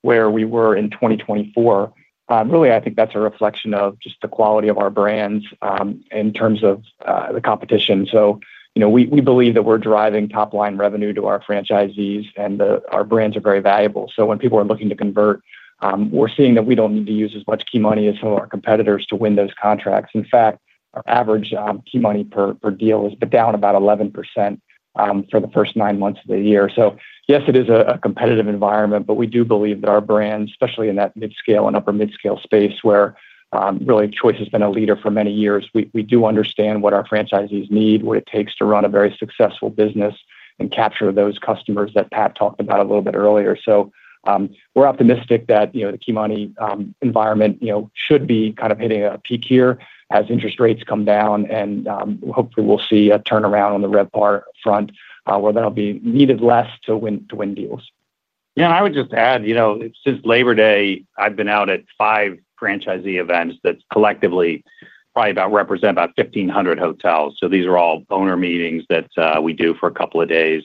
where we were in 2024. Really, I think that's a reflection of just the quality of our brands in terms of the competition. We believe that we're driving top-line revenue to our franchisees, and our brands are very valuable. When people are looking to convert, we're seeing that we don't need to use as much key money as some of our competitors to win those contracts. In fact, our average key money per deal has been down about 11% for the first nine months of the year. Yes, it is a competitive environment, but we do believe that our brands, especially in that mid-scale and upper mid-scale space where really Choice has been a leader for many years, we do understand what our franchisees need, what it takes to run a very successful business and capture those customers that Pat talked about a little bit earlier. We're optimistic that the key money environment should be kind of hitting a peak here as interest rates come down, and hopefully, we'll see a turnaround on the RevPAR front where there'll be needed less to win deals. Yeah, I would just add, since Labor Day, I've been out at five franchisee events that collectively probably represent about 1,500 hotels. These are all owner meetings that we do for a couple of days.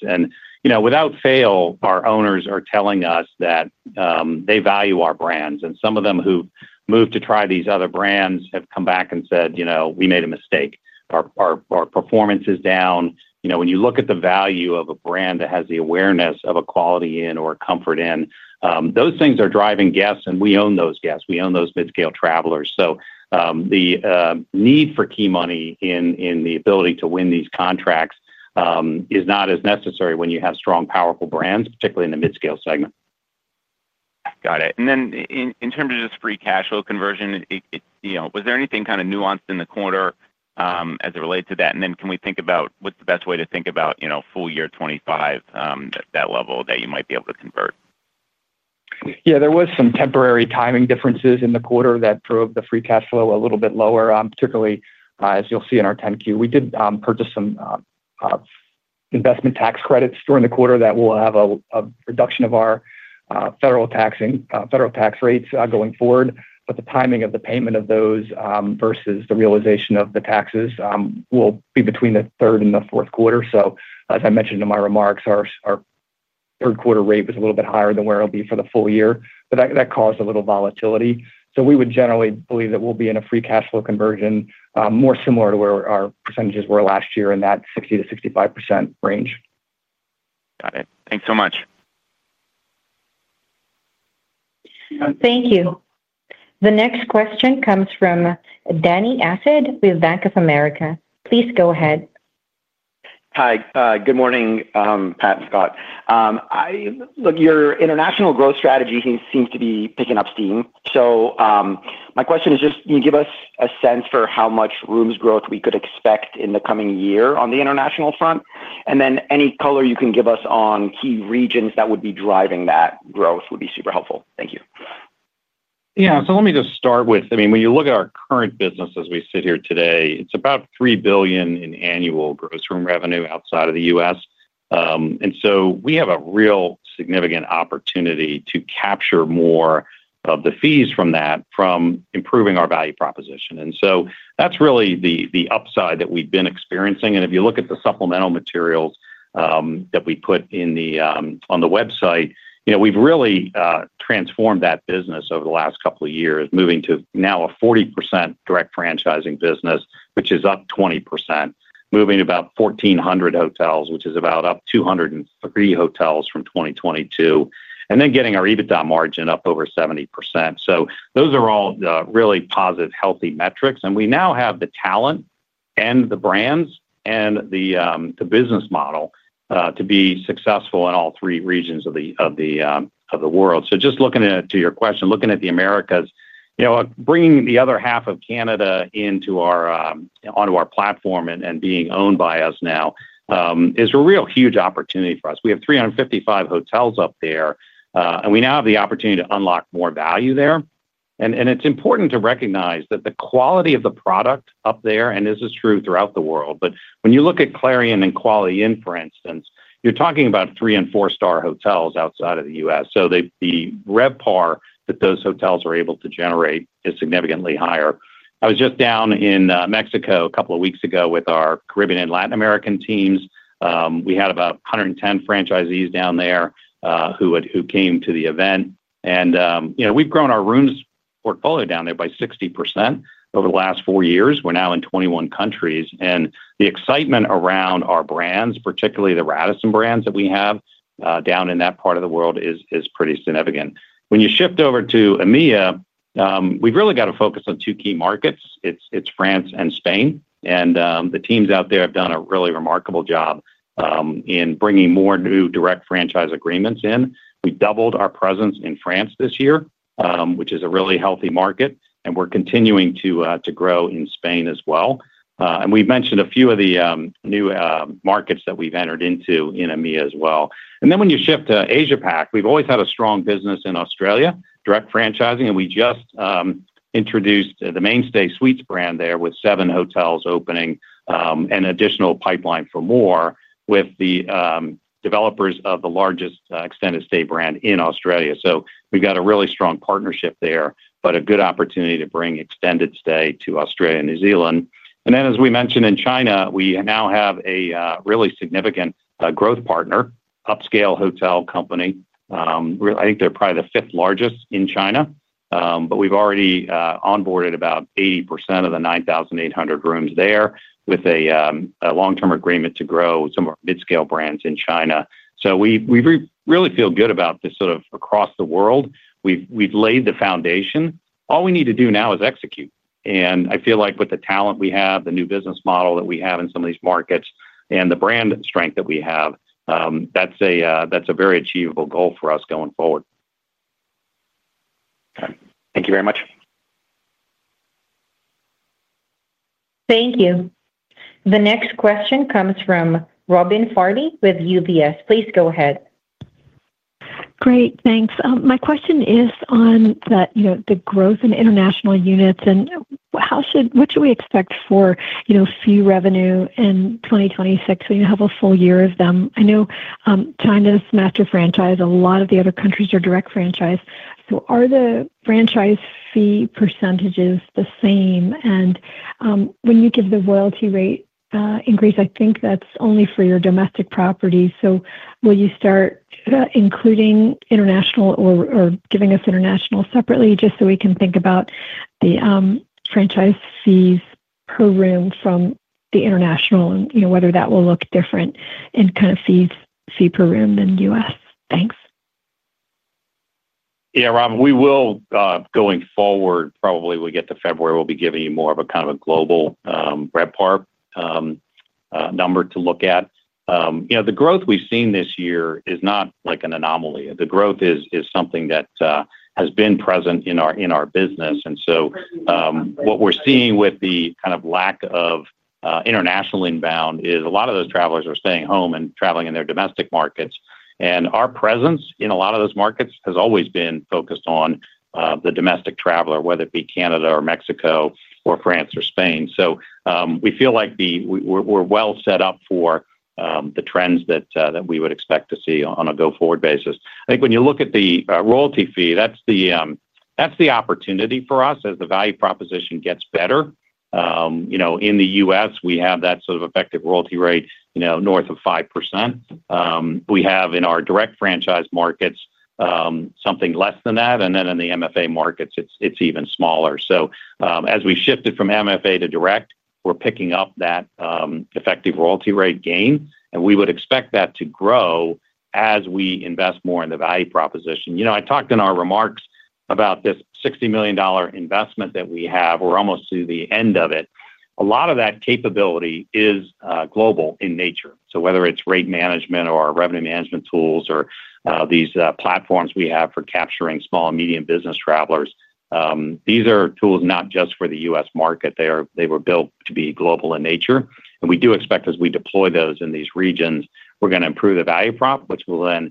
Without fail, our owners are telling us that they value our brands. Some of them who've moved to try these other brands have come back and said, "We made a mistake. Our performance is down." When you look at the value of a brand that has the awareness of a Quality Inn or a Comfort Inn, those things are driving guests, and we own those guests. We own those mid-scale travelers. The need for key money in the ability to win these contracts is not as necessary when you have strong, powerful brands, particularly in the mid-scale segment. Got it. In terms of just free cash flow conversion, was there anything kind of nuanced in the quarter as it relates to that? Can we think about what's the best way to think about full year 2025 at that level that you might be able to convert? Yeah, there were some temporary timing differences in the quarter that drove the free cash flow a little bit lower, particularly as you'll see in our 10-Q. We did purchase some investment tax credits during the quarter that will have a reduction of our federal tax rates going forward. The timing of the payment of those versus the realization of the taxes will be between the third and the fourth quarter. As I mentioned in my remarks, our third quarter rate was a little bit higher than where it will be for the full year. That caused a little volatility. We would generally believe that we will be in a free cash flow conversion more similar to where our percentages were last year in that 60%-65% range. Got it. Thanks so much. Thank you. The next question comes from Dany Asad with Bank of America. Please go ahead. Hi. Good morning, Pat and Scott. Look, your international growth strategy seems to be picking up steam. My question is just, can you give us a sense for how much rooms growth we could expect in the coming year on the international front? Any color you can give us on key regions that would be driving that growth would be super helpful. Thank you. Yeah. Let me just start with, I mean, when you look at our current business as we sit here today, it's about $3 billion in annual gross room revenue outside of the U.S. We have a real significant opportunity to capture more of the fees from that, from improving our value proposition. That's really the upside that we've been experiencing. If you look at the supplemental materials that we put on the website, we've really transformed that business over the last couple of years, moving to now a 40% direct franchising business, which is up 20%, moving about 1,400 hotels, which is up about 203 hotels from 2022, and then getting our EBITDA margin up over 70%. Those are all really positive, healthy metrics. We now have the talent and the brands and the business model to be successful in all three regions of the world. Just looking at your question, looking at the Americas, bringing the other half of Canada onto our platform and being owned by us now is a real huge opportunity for us. We have 355 hotels up there, and we now have the opportunity to unlock more value there. It's important to recognize that the quality of the product up there, and this is true throughout the world, but when you look at Clarion and Quality Inn, for instance, you're talking about three and four-star hotels outside of the U.S. The RevPAR that those hotels are able to generate is significantly higher. I was just down in Mexico a couple of weeks ago with our Caribbean and Latin American teams. We had about 110 franchisees down there who came to the event. We've grown our rooms portfolio down there by 60% over the last four years. We're now in 21 countries. The excitement around our brands, particularly the Radisson brands that we have down in that part of the world, is pretty significant. When you shift over to EMEA, we've really got to focus on two key markets, it's France and Spain. The teams out there have done a really remarkable job in bringing more new direct franchise agreements in. We doubled our presence in France this year, which is a really healthy market and we're continuing to grow in Spain as well. We have mentioned a few of the new markets that we have entered into in EMEA as well. When you shift to Asia-Pac, we have always had a strong business in Australia, direct franchising. We just introduced the MainStay Suites brand there with seven hotels opening and additional pipeline for more with the developers of the largest extended stay brand in Australia. We have a really strong partnership there, a good opportunity to bring extended stay to Australia and New Zealand. As we mentioned in China, we now have a really significant growth partner, Upscale Hotel Company. I think they are probably the fifth largest in China. We have already onboarded about 80% of the 9,800 rooms there with a long-term agreement to grow some of our mid-scale brands in China. We really feel good about this sort of across the world. We've laid the foundation. All we need to do now is execute. I feel like with the talent we have, the new business model that we have in some of these markets, and the brand strength that we have, that's a very achievable goal for us going forward. Thank you very much. Thank you. The next question comes from Robin Farley with UBS. Please go ahead. Great. Thanks. My question is on the growth in international units. What should we expect for fee revenue in 2026 when you have a full year of them? I know China is master franchise. A lot of the other countries are direct franchise. Are the franchise fee percentages the same? When you give the royalty rate increase, I think that's only for your domestic properties. Will you start including international or giving us international separately just so we can think about the franchise fees per room from the international and whether that will look different in kind of fee per room than U.S.? Thanks. Yeah, Robin, we will going forward, probably we'll get to February, we'll be giving you more of a kind of a global RevPAR number to look at. The growth we've seen this year is not like an anomaly. The growth is something that has been present in our business. What we're seeing with the kind of lack of international inbound is a lot of those travelers are staying home and traveling in their domestic markets. Our presence in a lot of those markets has always been focused on the domestic traveler, whether it be Canada or Mexico or France or Spain. We feel like we're well set up for the trends that we would expect to see on a go-forward basis. I think when you look at the royalty fee, that's the opportunity for us as the value proposition gets better. In the U.S., we have that sort of effective royalty rate north of 5%. We have in our direct franchise markets something less than that. In the MFA markets, it's even smaller. As we shifted from MFA to direct, we're picking up that effective royalty rate gain. We would expect that to grow as we invest more in the value proposition. I talked in our remarks about this $60 million investment that we have. We're almost to the end of it. A lot of that capability is global in nature whether it's rate management or our revenue management tools or these platforms we have for capturing small and medium business travelers, these are tools not just for the U.S. market. They were built to be global in nature. We do expect as we deploy those in these regions, we're going to improve the value prop, which will then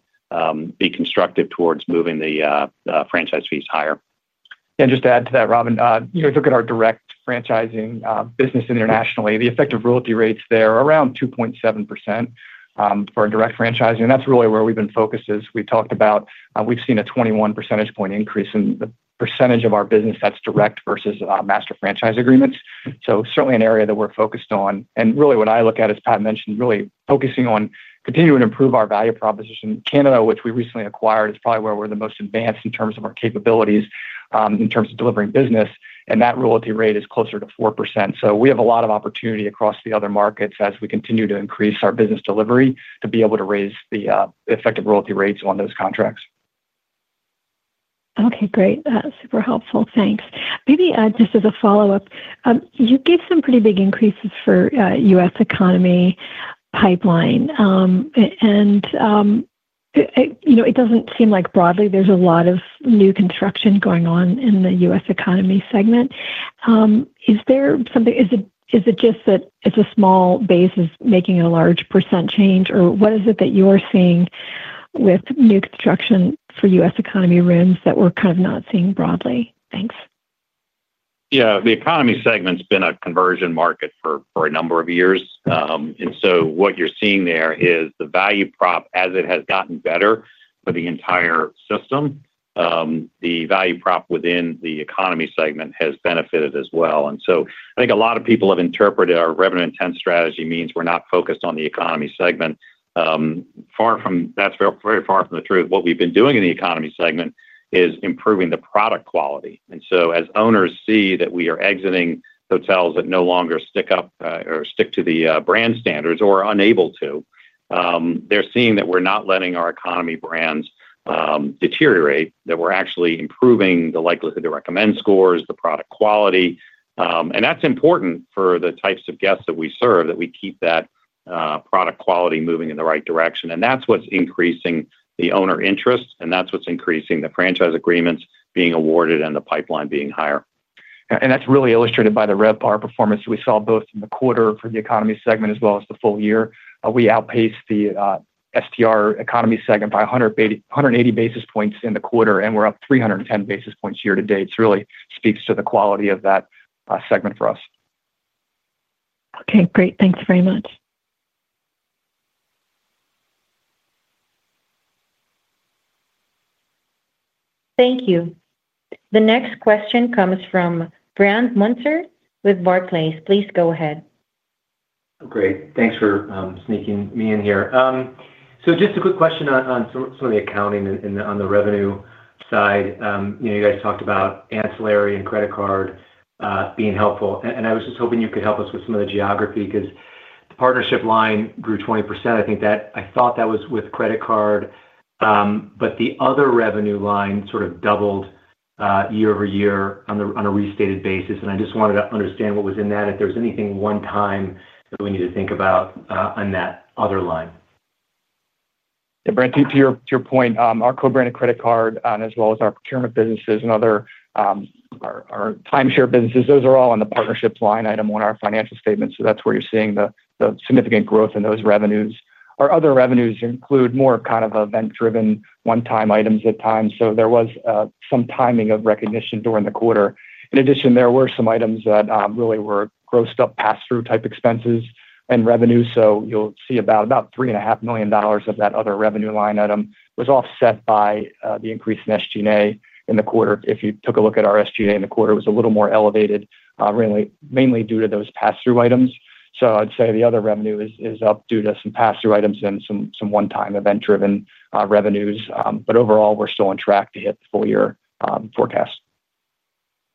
be constructive towards moving the franchise fees higher. Just to add to that, Robin, you look at our direct franchising business internationally, the effective royalty rates there are around 2.7% for direct franchising. That's really where we've been focused. As we talked about, we've seen a 21 percentage point increase in the percentage of our business that's direct versus master franchise agreements. Certainly an area that we're focused on. What I look at, as Pat mentioned, is really focusing on continuing to improve our value proposition. Canada, which we recently acquired, is probably where we're the most advanced in terms of our capabilities in terms of delivering business and that royalty rate is closer to 4%. We have a lot of opportunity across the other markets as we continue to increase our business delivery to be able to raise the effective royalty rates on those contracts. Okay. Great. That's super helpful. Thanks. Maybe just as a follow-up, you gave some pretty big increases for U.S. economy pipeline. It doesn't seem like broadly there's a lot of new construction going on in the U.S. economy segment. Is it just that it's a small base that's making a large percent change, or what is it that you are seeing with new construction for U.S. economy rooms that we're kind of not seeing broadly? Thanks. Yeah. The economy segment's been a conversion market for a number of years. What you're seeing there is the value prop, as it has gotten better for the entire system, the value prop within the economy segment has benefited as well. I think a lot of people have interpreted our revenue-intense strategy means we're not focused on the economy segment. That's very far from the truth. What we've been doing in the economy segment is improving the product quality. As owners see that we are exiting hotels that no longer stick up or stick to the brand standards or are unable to, they're seeing that we're not letting our economy brands deteriorate, that we're actually improving the likelihood to recommend scores, the product quality. That's important for the types of guests that we serve, that we keep that. Product quality moving in the right direction. That is what is increasing the owner interest. That is what is increasing the franchise agreements being awarded and the pipeline being higher. That is really illustrated by the RevPAR performance that we saw both in the quarter for the economy segment as well as the full year. We outpaced the STR economy segment by 180 basis points in the quarter, and we are up 310 basis points year-to-date. It really speaks to the quality of that segment for us. Okay. Great. Thanks very much. Thank you. The next question comes from Brandt Montour with Barclays. Please go ahead. Great. Thanks for sneaking me in here. Just a quick question on some of the accounting and on the revenue side. You guys talked about ancillary and credit card being helpful. I was just hoping you could help us with some of the geography because the partnership line grew 20%. I thought that was with credit card. The other revenue line sort of doubled year-over-year on a restated basis. I just wanted to understand what was in that, if there was anything one-time that we need to think about on that other line. Yeah. Brandon, to your point, our co-branded credit card as well as our procurement businesses and other, our timeshare businesses, those are all on the partnership line item on our financial statements. That is where you are seeing the significant growth in those revenues. Our other revenues include more kind of event-driven one-time items at times. There was some timing of recognition during the quarter. In addition, there were some items that really were grossed-up pass-through type expenses and revenue. You'll see about $3.5 million of that other revenue line item was offset by the increase in SG&A in the quarter. If you took a look at our SG&A in the quarter, it was a little more elevated, mainly due to those pass-through items. I'd say the other revenue is up due to some pass-through items and some one-time event-driven revenues. Overall, we're still on track to hit the full-year forecast.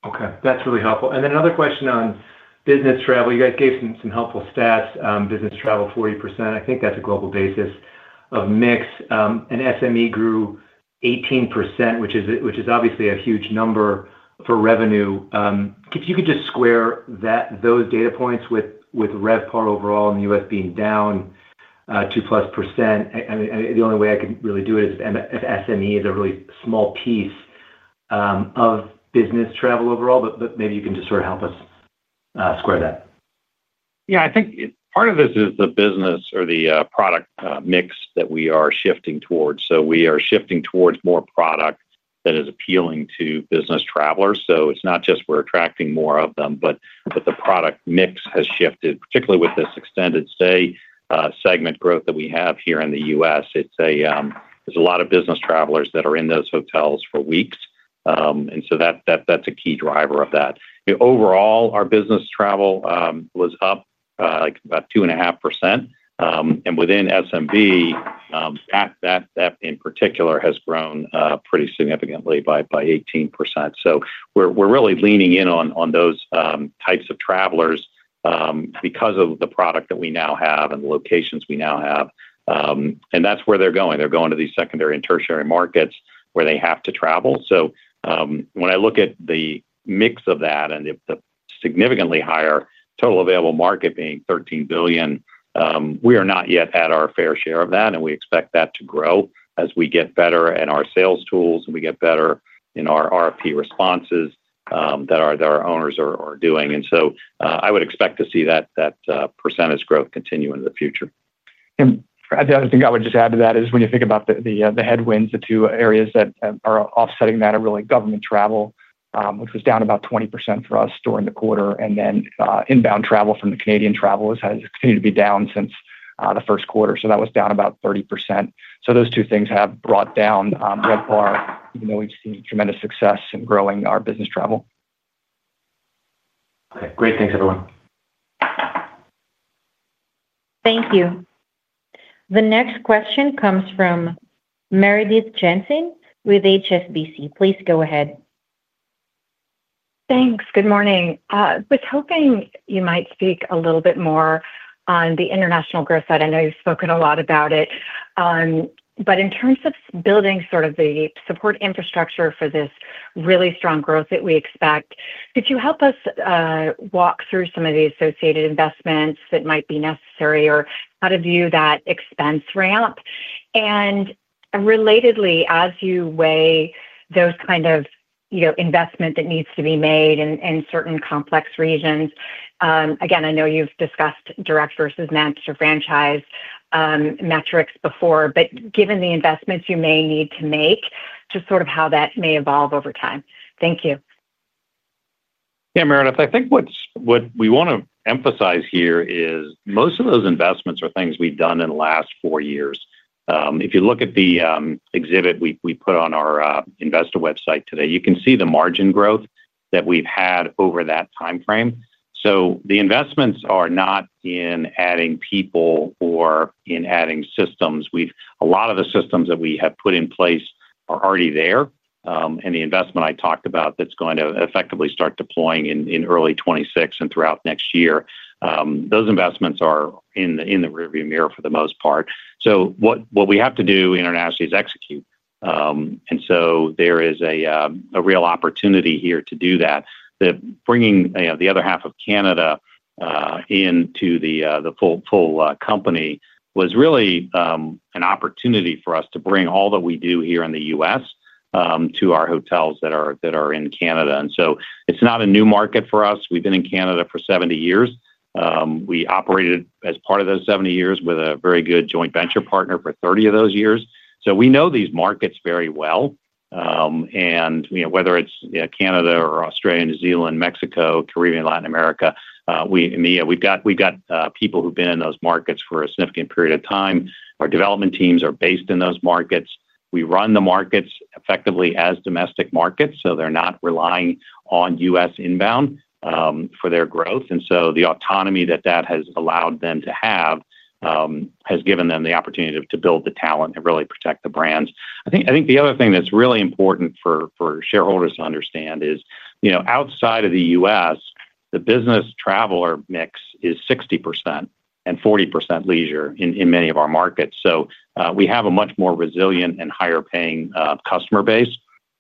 Okay. That's really helpful. Another question on business travel. You guys gave some helpful stats. Business travel 40%. I think that's a global basis of mix. SME grew 18%, which is obviously a huge number for revenue. If you could just square those data points with RevPAR overall in the U.S. being down 2%+ the only way I could really do it is if SME is a really small piece of business travel overall. Maybe you can just sort of help us square that. Yeah. I think part of this is the business or the product mix that we are shifting towards. We are shifting towards more product that is appealing to business travelers. It's not just we're attracting more of them, but the product mix has shifted, particularly with this extended stay segment growth that we have here in the U.S. There are a lot of business travelers that are in those hotels for weeks. That is a key driver of that. Overall, our business travel was up about 2.5%. Within SMB, that in particular has grown pretty significantly by 18%. We are really leaning in on those types of travelers because of the product that we now have and the locations we now have. That is where they're going. They're going to these secondary and tertiary markets where they have to travel. When I look at the mix of that and the significantly higher total available market being $13 billion, we are not yet at our fair share of that. We expect that to grow as we get better at our sales tools and we get better in our RFP responses that our owners are doing. I would expect to see that percentage growth continue into the future. The other thing I would just add to that is when you think about the headwinds, the two areas that are offsetting that are really government travel, which was down about 20% for us during the quarter. Inbound travel from the Canadian travelers has continued to be down since the first quarter. That was down about 30%. So those two things have brought down RevPAR, even though we've seen tremendous success in growing our business travel. Okay. Great. Thanks, everyone. Thank you. The next question comes from Meredith Jensen with HSBC. Please go ahead. Thanks. Good morning. I was hoping you might speak a little bit more on the international growth side. I know you've spoken a lot about it. In terms of building sort of the support infrastructure for this really strong growth that we expect, could you help us walk through some of the associated investments that might be necessary or how to view that expense ramp? Relatedly, as you weigh those kind of investments that need to be made in certain complex regions, again, I know you've discussed direct versus master franchise metrics before, but given the investments you may need to make, just sort of how that may evolve over time. Thank you. Yeah, Meredith, I think what we want to emphasize here is most of those investments are things we've done in the last four years. If you look at the exhibit we put on our investor website today, you can see the margin growth that we've had over that timeframe. The investments are not in adding people or in adding systems. A lot of the systems that we have put in place are already there. The investment I talked about that's going to effectively start deploying in early 2026 and throughout next year, those investments are in the rearview mirror for the most part. What we have to do internationally is execute. There is a real opportunity here to do that. Bringing the other half of Canada into the full company was really an opportunity for us to bring all that we do here in the U.S. to our hotels that are in Canada. It is not a new market for us. We have been in Canada for 70 years. We operated as part of those 70 years with a very good joint venture partner for 30 of those years. We know these markets very well. Whether it is Canada or Australia and New Zealand, Mexico, Caribbean, Latin America, we have got people who have been in those markets for a significant period of time. Our development teams are based in those markets. We run the markets effectively as domestic markets. They are not relying on U.S. inbound for their growth. The autonomy that that has allowed them to have has given them the opportunity to build the talent and really protect the brands. I think the other thing that's really important for shareholders to understand is, outside of the U.S., the business traveler mix is 60% and 40% leisure in many of our markets. We have a much more resilient and higher-paying customer base.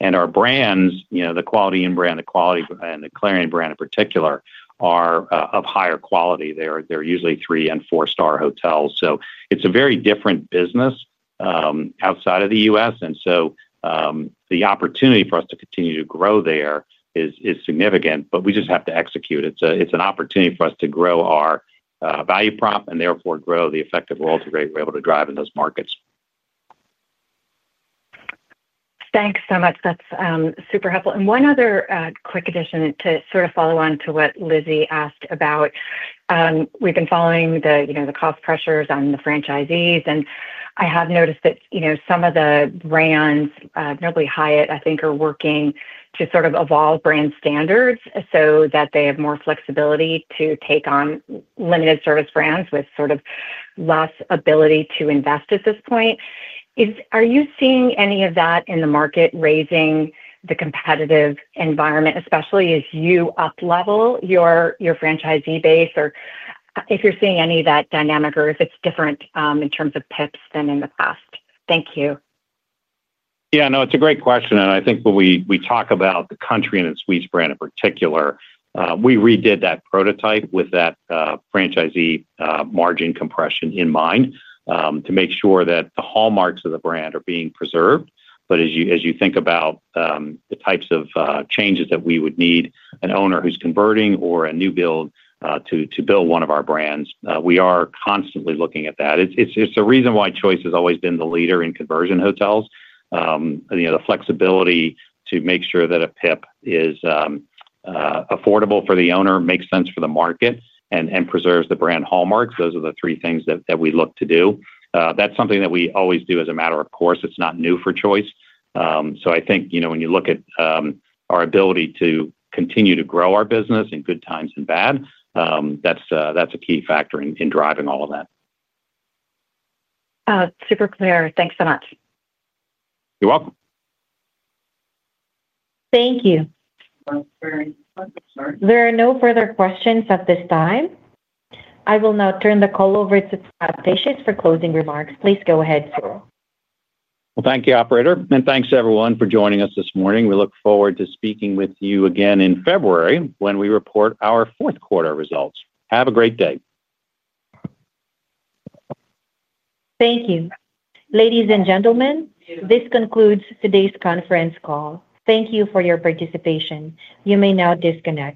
Our brands, the Quality Inn brand, the Quality Inn and the Clarion brand in particular, are of higher quality. They're usually three and four-star hotels. It is a very different business outside of the U.S. The opportunity for us to continue to grow there is significant, but we just have to execute. It's an opportunity for us to grow our value prop and therefore grow the effective role to be able to drive in those markets. Thanks so much. That's super helpful. One other quick addition to sort of follow on to what Lizzie asked about. We've been following the cost pressures on the franchisees. I have noticed that some of the brands, notably Hyatt, I think, are working to sort of evolve brand standards so that they have more flexibility to take on limited-service brands with sort of less ability to invest at this point. Are you seeing any of that in the market raising the competitive environment, especially as you up-level your franchisee base? Or if you're seeing any of that dynamic or if it's different in terms of PIP than in the past? Thank you. Yeah. No, it's a great question. I think when we talk about the Country Inn & Suites brand in particular, we redid that prototype with that franchisee margin compression in mind to make sure that the hallmarks of the brand are being preserved. But as you think about the types of changes that we would need an owner who's converting or a new build to build one of our brands, we are constantly looking at that. It's a reason why Choice has always been the leader in conversion hotels. The flexibility to make sure that a PIP is affordable for the owner, makes sense for the market, and preserves the brand hallmarks, those are the three things that we look to do. That's something that we always do as a matter of course. It's not new for Choice. I think when you look at our ability to continue to grow our business in good times and bad, that's a key factor in driving all of that. Super clear. Thanks so much. You're welcome. Thank you. There are no further questions at this time. I will now turn the call over to Pat Pacious for closing remarks. Please go ahead. Thank you, operator. And thanks, everyone, for joining us this morning. We look forward to speaking with you again in February when we report our fourth quarter results. Have a great day. Thank you. Ladies and gentlemen, this concludes today's conference call. Thank you for your participation. You may now disconnect.